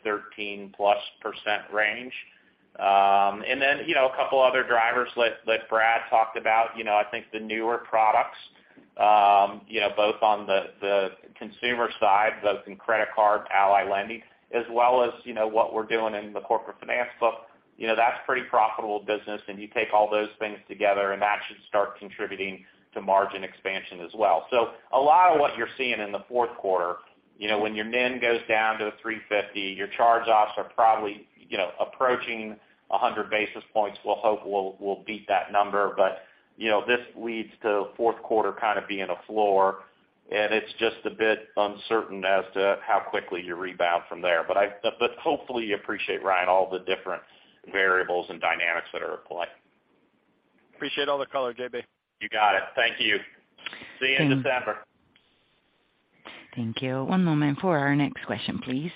[SPEAKER 3] range. And then, you know, a couple other drivers like Brad talked about, you know, I think the newer products, you know, both on the consumer side, both in credit card, Ally Lending, as well as, you know, what we're doing in the Corporate Finance book, you know, that's pretty profitable business. You take all those things together, and that should start contributing to margin expansion as well. A lot of what you're seeing in the fourth quarter, you know, when your NIM goes down to 3.50, your charge-offs are probably, you know, approaching 100 basis points. We'll hope we'll beat that number. You know, this leads to fourth quarter kind of being a floor, and it's just a bit uncertain as to how quickly you rebound from there. Hopefully you appreciate, Ryan, all the different variables and dynamics that are at play.
[SPEAKER 6] Appreciate all the color, J.B.
[SPEAKER 3] You got it. Thank you. See you in December.
[SPEAKER 1] Thank you. One moment for our next question, please.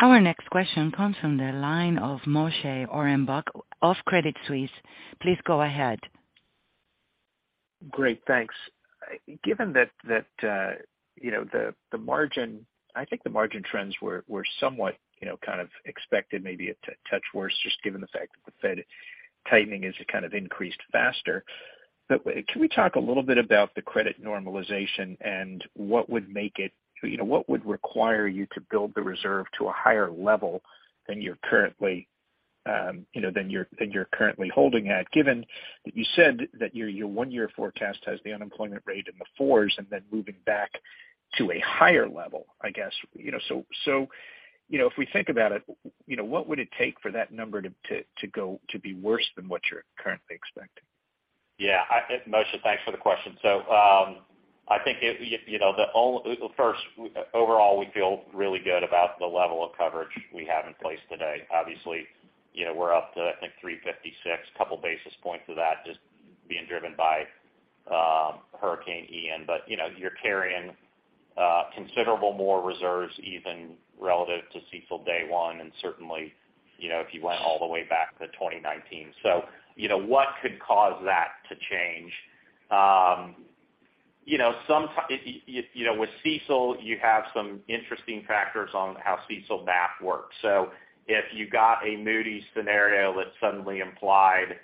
[SPEAKER 1] Our next question comes from the line of Moshe Orenbuch of Credit Suisse. Please go ahead.
[SPEAKER 7] Great. Thanks. Given that, you know, the margin, I think the margin trends were somewhat, you know, kind of expected maybe a touch worse just given the fact that the Fed tightening has kind of increased faster. Can we talk a little bit about the credit normalization and what would make it, you know, what would require you to build the reserve to a higher level than you're currently, you know, holding at, given that you said that your one-year forecast has the unemployment rate in the fours and then moving back to a higher level, I guess. You know, if we think about it, you know, what would it take for that number to be worse than what you're currently expecting?
[SPEAKER 3] Yeah. Moshe, thanks for the question. I think, you know, first, overall, we feel really good about the level of coverage we have in place today. Obviously, you know, we're up to, I think, 356, couple basis points of that just being driven by Hurricane Ian. You know, you're carrying considerable more reserves even relative to CECL day one and certainly, you know, if you went all the way back to 2019. You know, what could cause that to change? You know, with CECL, you have some interesting factors on how CECL math works. If you got a Moody's scenario that suddenly implied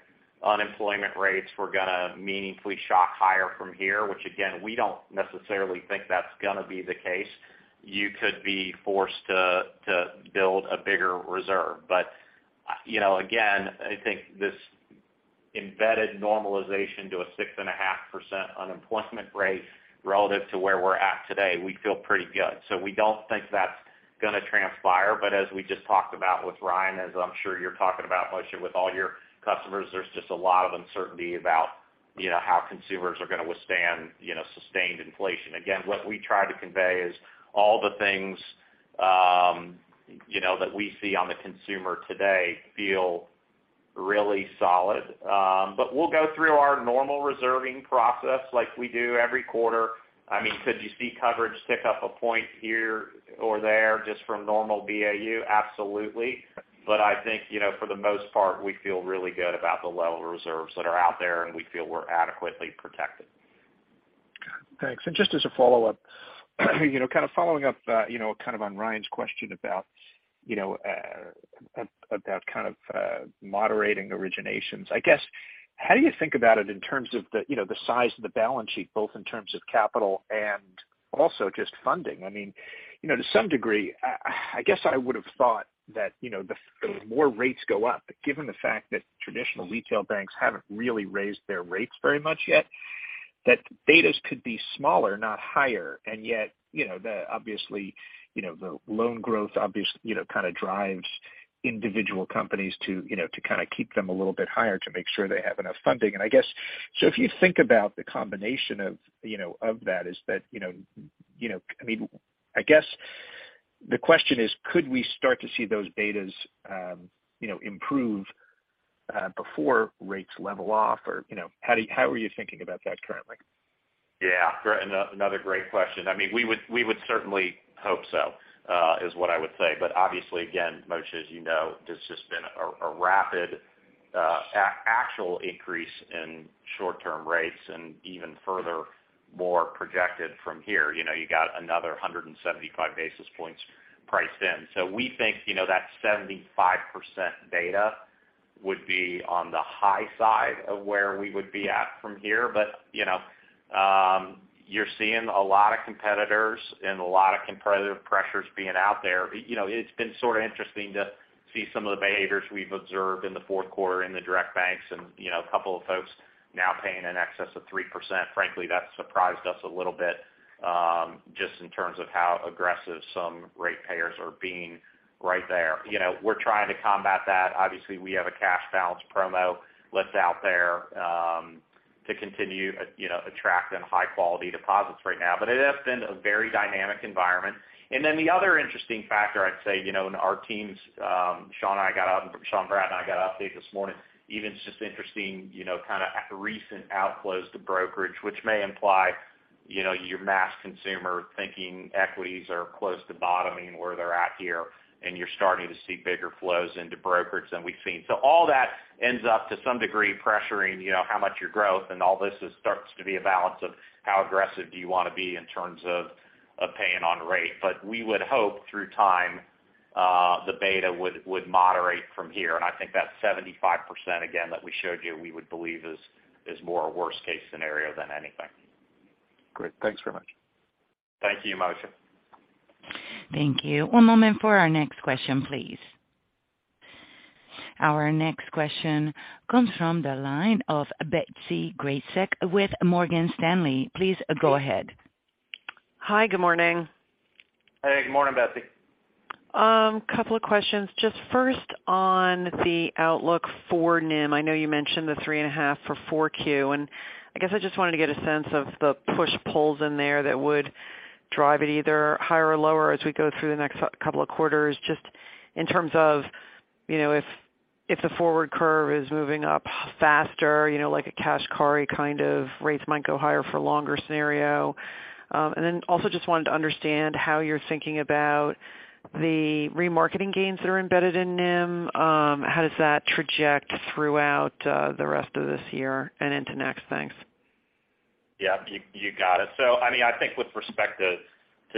[SPEAKER 3] unemployment rates were gonna meaningfully shock higher from here, which again, we don't necessarily think that's gonna be the case, you could be forced to build a bigger reserve. You know, again, I think this embedded normalization to a 6.5% unemployment rate relative to where we're at today, we feel pretty good. We don't think that's gonna transpire. As we just talked about with Ryan, as I'm sure you're talking about, Moshe, with all your customers, there's just a lot of uncertainty about, you know, how consumers are gonna withstand, you know, sustained inflation. Again, what we try to convey is all the things, you know, that we see on the consumer today feel really solid. We'll go through our normal reserving process like we do every quarter. I mean, could you see coverage tick up a point here or there just from normal BAU? Absolutely. I think, you know, for the most part, we feel really good about the level of reserves that are out there, and we feel we're adequately protected.
[SPEAKER 7] Thanks. Just as a follow-up, you know, kind of following up, you know, kind of on Ryan's question about, you know, about kind of moderating originations. I guess, how do you think about it in terms of the size of the balance sheet, both in terms of capital and also just funding? I mean, you know, to some degree, I guess I would've thought that, you know, the more rates go up, but given the fact that traditional retail banks haven't really raised their rates very much yet, that betas could be smaller, not higher. Yet, you know, obviously, you know, the loan growth obviously, you know, kind of drives individual companies to, you know, to kind of keep them a little bit higher to make sure they have enough funding. I guess, so if you think about the combination of, you know, I mean, I guess the question is, could we start to see those betas improve before rates level off? Or, you know, how are you thinking about that currently?
[SPEAKER 3] Yeah. Another great question. I mean, we would certainly hope so is what I would say. Obviously again, Moshe, as you know, there's just been a rapid actual increase in short-term rates and even furthermore projected from here. You know, you got another 175 basis points priced in. We think, you know, that 75% beta would be on the high side of where we would be at from here. You know, you're seeing a lot of competitors and a lot of competitive pressures being out there. You know, it's been sort of interesting to see some of the behaviors we've observed in the fourth quarter in the direct banks and, you know, a couple of folks now paying in excess of 3%. Frankly, that surprised us a little bit, just in terms of how aggressive some rate payers are being right there. You know, we're trying to combat that. Obviously, we have a cash balance promo that's out there, to continue, you know, attracting high-quality deposits right now. It has been a very dynamic environment. Then the other interesting factor, I'd say, you know, and our teams, Sean, Brad, and I got an update this morning, even it's just interesting, you know, kind of recent outflows to brokerage, which may imply, you know, your mass consumer thinking equities are close to bottoming where they're at here, and you're starting to see bigger flows into brokerage than we've seen. All that ends up, to some degree, pressuring, you know, how much your growth and all this is starts to be a balance of how aggressive do you wanna be in terms of paying on rate. We would hope through time, the beta would moderate from here. I think that 75% again that we showed you, we would believe is more a worst case scenario than anything.
[SPEAKER 7] Great. Thanks very much.
[SPEAKER 3] Thank you, Moshe.
[SPEAKER 1] Thank you. One moment for our next question, please. Our next question comes from the line of Betsy Graseck with Morgan Stanley. Please go ahead.
[SPEAKER 8] Hi, good morning.
[SPEAKER 3] Hey, good morning, Betsy.
[SPEAKER 8] Couple of questions. Just first on the outlook for NIM. I know you mentioned the 3.5 for 4Q. I guess I just wanted to get a sense of the push pulls in there that would drive it either higher or lower as we go through the next couple of quarters, just in terms of, you know, if the forward curve is moving up faster, you know, like a cash and carry kind of rates might go higher for longer scenario. Then also just wanted to understand how you're thinking about the remarketing gains that are embedded in NIM. How does that trajectory throughout the rest of this year and into next? Thanks.
[SPEAKER 3] Yeah, you got it. I mean, I think with respect to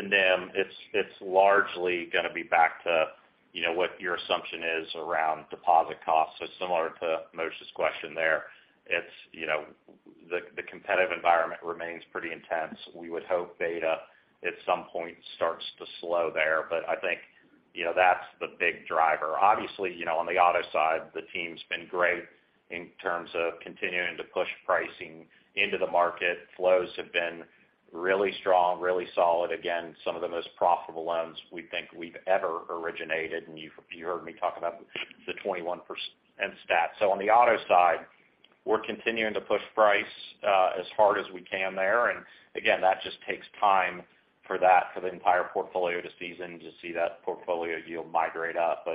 [SPEAKER 3] NIM, it's largely gonna be back to, you know, what your assumption is around deposit costs. Similar to Moshe's question there, it's you know the competitive environment remains pretty intense. We would hope beta at some point starts to slow there. But I think, you know, that's the big driver. Obviously, you know, on the auto side, the team's been great in terms of continuing to push pricing into the market. Flows have been really strong, really solid. Again, some of the most profitable loans we think we've ever originated, and you heard me talk about the 21% stat. On the auto side, we're continuing to push price as hard as we can there. Again, that just takes time for the entire portfolio to season to see that portfolio yield migrate up.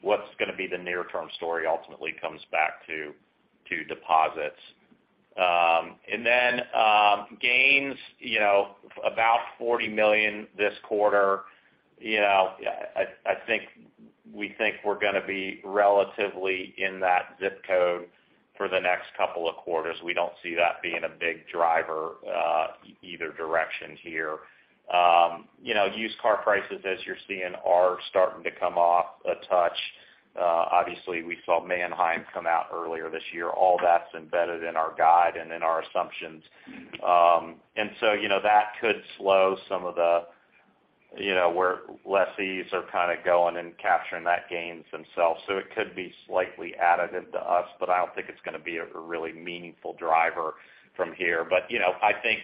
[SPEAKER 3] What's gonna be the near-term story ultimately comes back to deposits. Gains, you know, about $40 million this quarter. You know, I think we're gonna be relatively in that ZIP code for the next couple of quarters. We don't see that being a big driver, either direction here. You know, used car prices, as you're seeing, are starting to come off a touch. Obviously, we saw Manheim come out earlier this year. All that's embedded in our guide and in our assumptions. You know, that could slow some of the, you know, where lessees are kinda going and capturing that gains themselves. It could be slightly additive to us, but I don't think it's gonna be a really meaningful driver from here. You know, I think,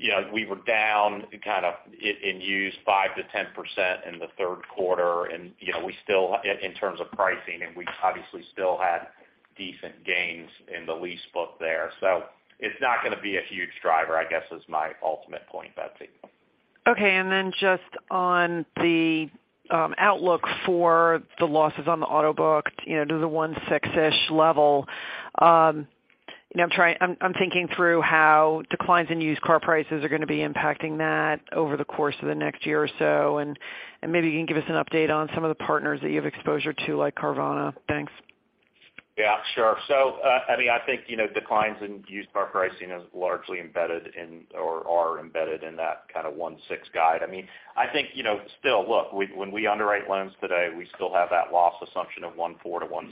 [SPEAKER 3] you know, we were down kind of in used 5%-10% in the third quarter. You know, we still in terms of pricing, and we obviously still had decent gains in the lease book there. It's not gonna be a huge driver, I guess, is my ultimate point, Betsy.
[SPEAKER 8] Okay. Just on the outlook for the losses on the auto book, you know, to the 1.6-ish level. You know, I'm thinking through how declines in used car prices are gonna be impacting that over the course of the next year or so, and maybe you can give us an update on some of the partners that you have exposure to, like Carvana. Thanks.
[SPEAKER 3] Yeah, sure. I mean, I think, you know, declines in used car pricing is largely embedded in or are embedded in that kind of 1.6% guide. I mean, I think, you know, still, look, when we underwrite loans today, we still have that loss assumption of 1.4%-1.6%.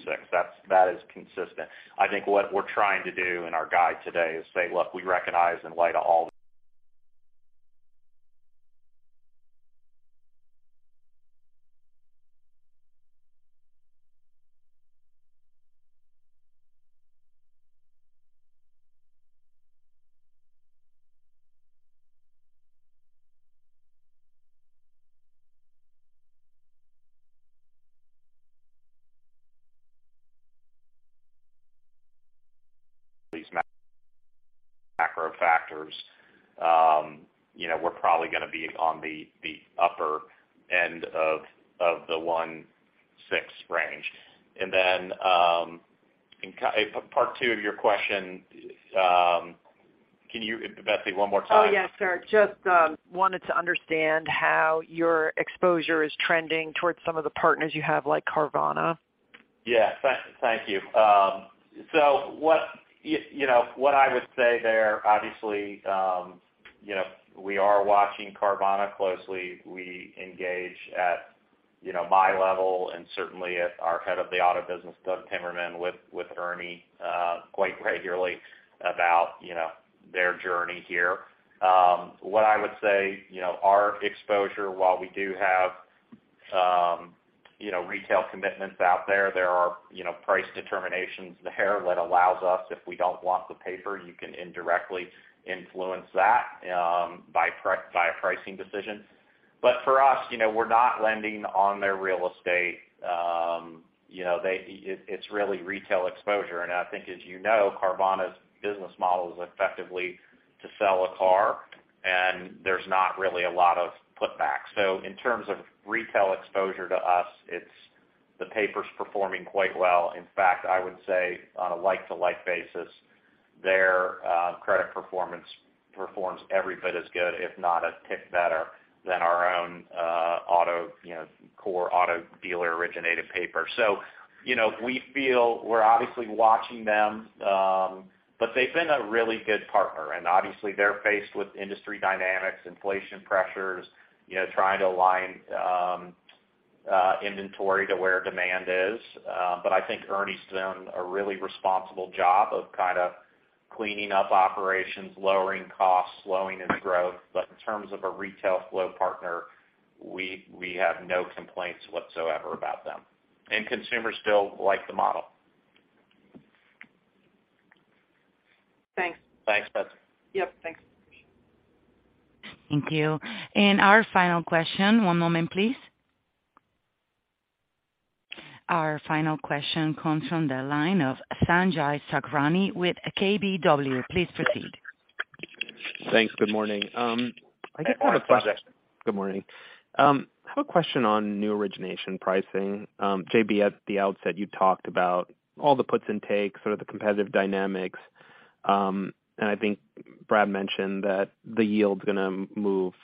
[SPEAKER 3] That is consistent. I think what we're trying to do in our guide today is say, look, we recognize in light of all these macro factors, you know, we're probably gonna be on the upper end of the 1.6% range. In part two of your question, can you, Betsy, one more time?
[SPEAKER 8] Oh, yes, sir. Just wanted to understand how your exposure is trending towards some of the partners you have, like Carvana.
[SPEAKER 3] Yeah. Thank you. So, you know, what I would say there, obviously, you know, we are watching Carvana closely. We engage at, you know, my level and certainly at our head of the auto business, Doug Timmerman, with Ernie, quite regularly about, you know, their journey here. What I would say, you know, our exposure, while we do have, you know, retail commitments out there are, you know, price determinations in there that allows us, if we don't want the paper, you can indirectly influence that, by a pricing decision. But for us, you know, we're not lending on their real estate. You know, it's really retail exposure. I think as you know, Carvana's business model is effectively to sell a car, and there's not really a lot of put back. In terms of retail exposure to us, it's the paper's performing quite well. In fact, I would say on a like-to-like basis, their credit performance performs every bit as good, if not a tick better, than our own auto, you know, core auto dealer-originated paper. You know, we feel we're obviously watching them, but they've been a really good partner. Obviously, they're faced with industry dynamics, inflation pressures, you know, trying to align inventory to where demand is. I think Ernie's done a really responsible job of kind of cleaning up operations, lowering costs, slowing its growth. In terms of a retail flow partner, we have no complaints whatsoever about them. Consumers still like the model.
[SPEAKER 8] Thanks.
[SPEAKER 3] Thanks, Betsy.
[SPEAKER 8] Yep, thanks.
[SPEAKER 1] Thank you. Our final question. One moment, please. Our final question comes from the line of Sanjay Sakhrani with KBW. Please proceed.
[SPEAKER 9] Thanks. Good morning. I just have a
[SPEAKER 3] Good morning.
[SPEAKER 9] Good morning. I have a question on new origination pricing. J.B., at the outset, you talked about all the puts and takes, sort of the competitive dynamics. I think Brad mentioned that the yield's gonna move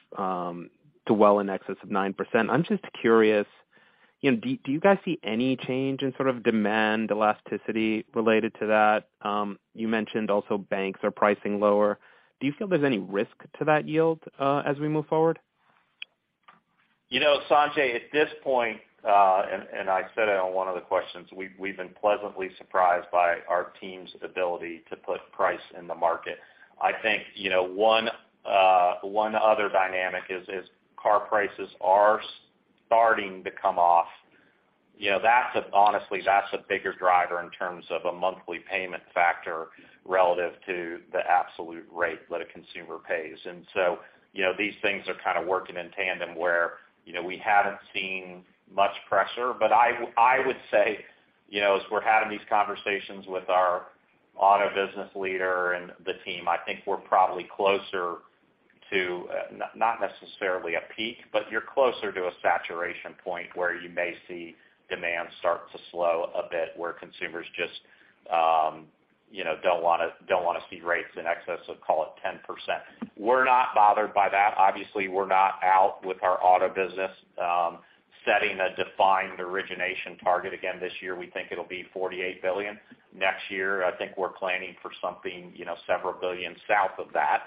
[SPEAKER 9] to well in excess of 9%. I'm just curious, you know, do you guys see any change in sort of demand elasticity related to that? You mentioned also banks are pricing lower. Do you feel there's any risk to that yield as we move forward?
[SPEAKER 3] You know, Sanjay, at this point, and I said it on one of the questions, we've been pleasantly surprised by our team's ability to put price in the market. I think, you know, one other dynamic is car prices are starting to come off. You know, that's honestly a bigger driver in terms of a monthly payment factor relative to the absolute rate that a consumer pays. You know, these things are kind of working in tandem where, you know, we haven't seen much pressure. I would say, you know, as we're having these conversations with our auto business leader and the team, I think we're probably closer to not necessarily a peak, but you're closer to a saturation point where you may see demand start to slow a bit, where consumers just, you know, don't wanna see rates in excess of, call it 10%. We're not bothered by that. Obviously, we're not out with our auto business setting a defined origination target again this year. We think it'll be $48 billion. Next year, I think we're planning for something, you know, several billion south of that.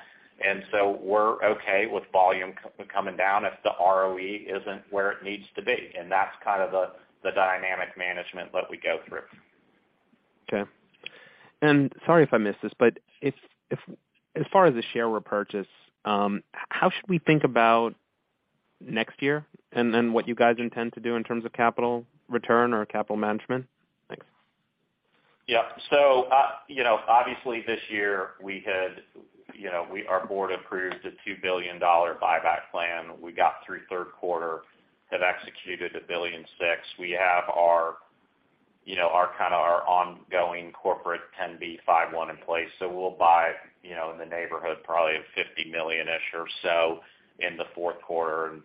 [SPEAKER 3] We're okay with volume coming down if the ROE isn't where it needs to be, and that's kind of the dynamic management that we go through.
[SPEAKER 9] Okay. Sorry if I missed this, but if, as far as the share repurchase, how should we think about next year and then what you guys intend to do in terms of capital return or capital management? Thanks.
[SPEAKER 3] Yeah. You know, obviously this year we had, you know, our board approved a $2 billion buyback plan. We got through third quarter, have executed $1.6 billion. We have our, you know, our kind of, our ongoing corporate 10b5-1 in place. We'll buy, you know, in the neighborhood probably of $50 million-ish or so in the fourth quarter.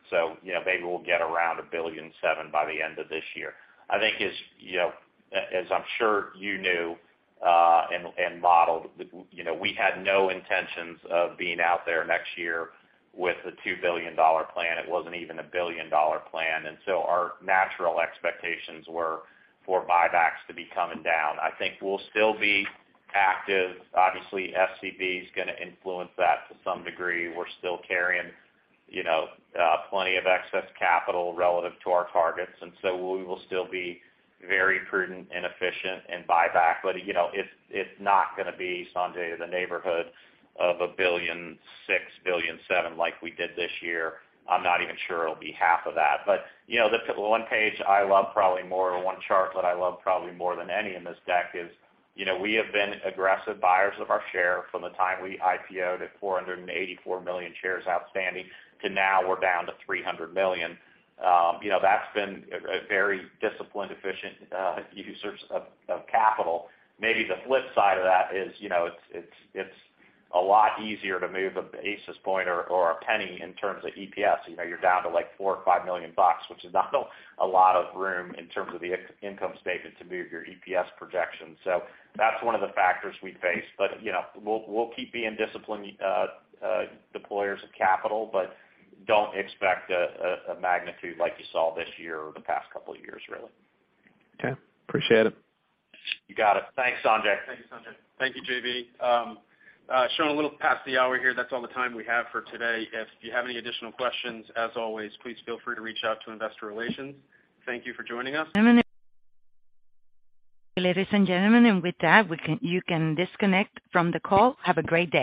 [SPEAKER 3] You know, maybe we'll get around $1.7 billion by the end of this year. I think as, you know, as I'm sure you knew, and modeled, you know, we had no intentions of being out there next year with a $2 billion plan. It wasn't even a billion-dollar plan. Our natural expectations were for buybacks to be coming down. I think we'll still be active. Obviously, SCB is gonna influence that to some degree. We're still carrying, you know, plenty of excess capital relative to our targets, and so we will still be very prudent and efficient in buyback. You know, it's not gonna be, Sanjay, in the neighborhood of $1.6 billion-$1.7 billion like we did this year. I'm not even sure it'll be half of that. You know, the one page I love probably more, or one chart that I love probably more than any in this deck is, you know, we have been aggressive buyers of our share from the time we IPO'd at 484 million shares outstanding, to now we're down to 300 million. You know, that's been a very disciplined, efficient usage of capital. Maybe the flip side of that is, you know, it's a lot easier to move a basis point or a penny in terms of EPS. You know, you're down to, like, $4-$5 million, which is not a lot of room in terms of the income statement to move your EPS projection. That's one of the factors we face. You know, we'll keep being disciplined deployers of capital, but don't expect a magnitude like you saw this year or the past couple of years, really.
[SPEAKER 9] Okay. Appreciate it.
[SPEAKER 3] You got it. Thanks, Sanjay.
[SPEAKER 2] Thank you, Sanjay. Thank you, J.B. Showing a little past the hour here, that's all the time we have for today. If you have any additional questions, as always, please feel free to reach out to Investor Relations. Thank you for joining us.
[SPEAKER 1] Ladies and gentlemen, with that, you can disconnect from the call. Have a great day.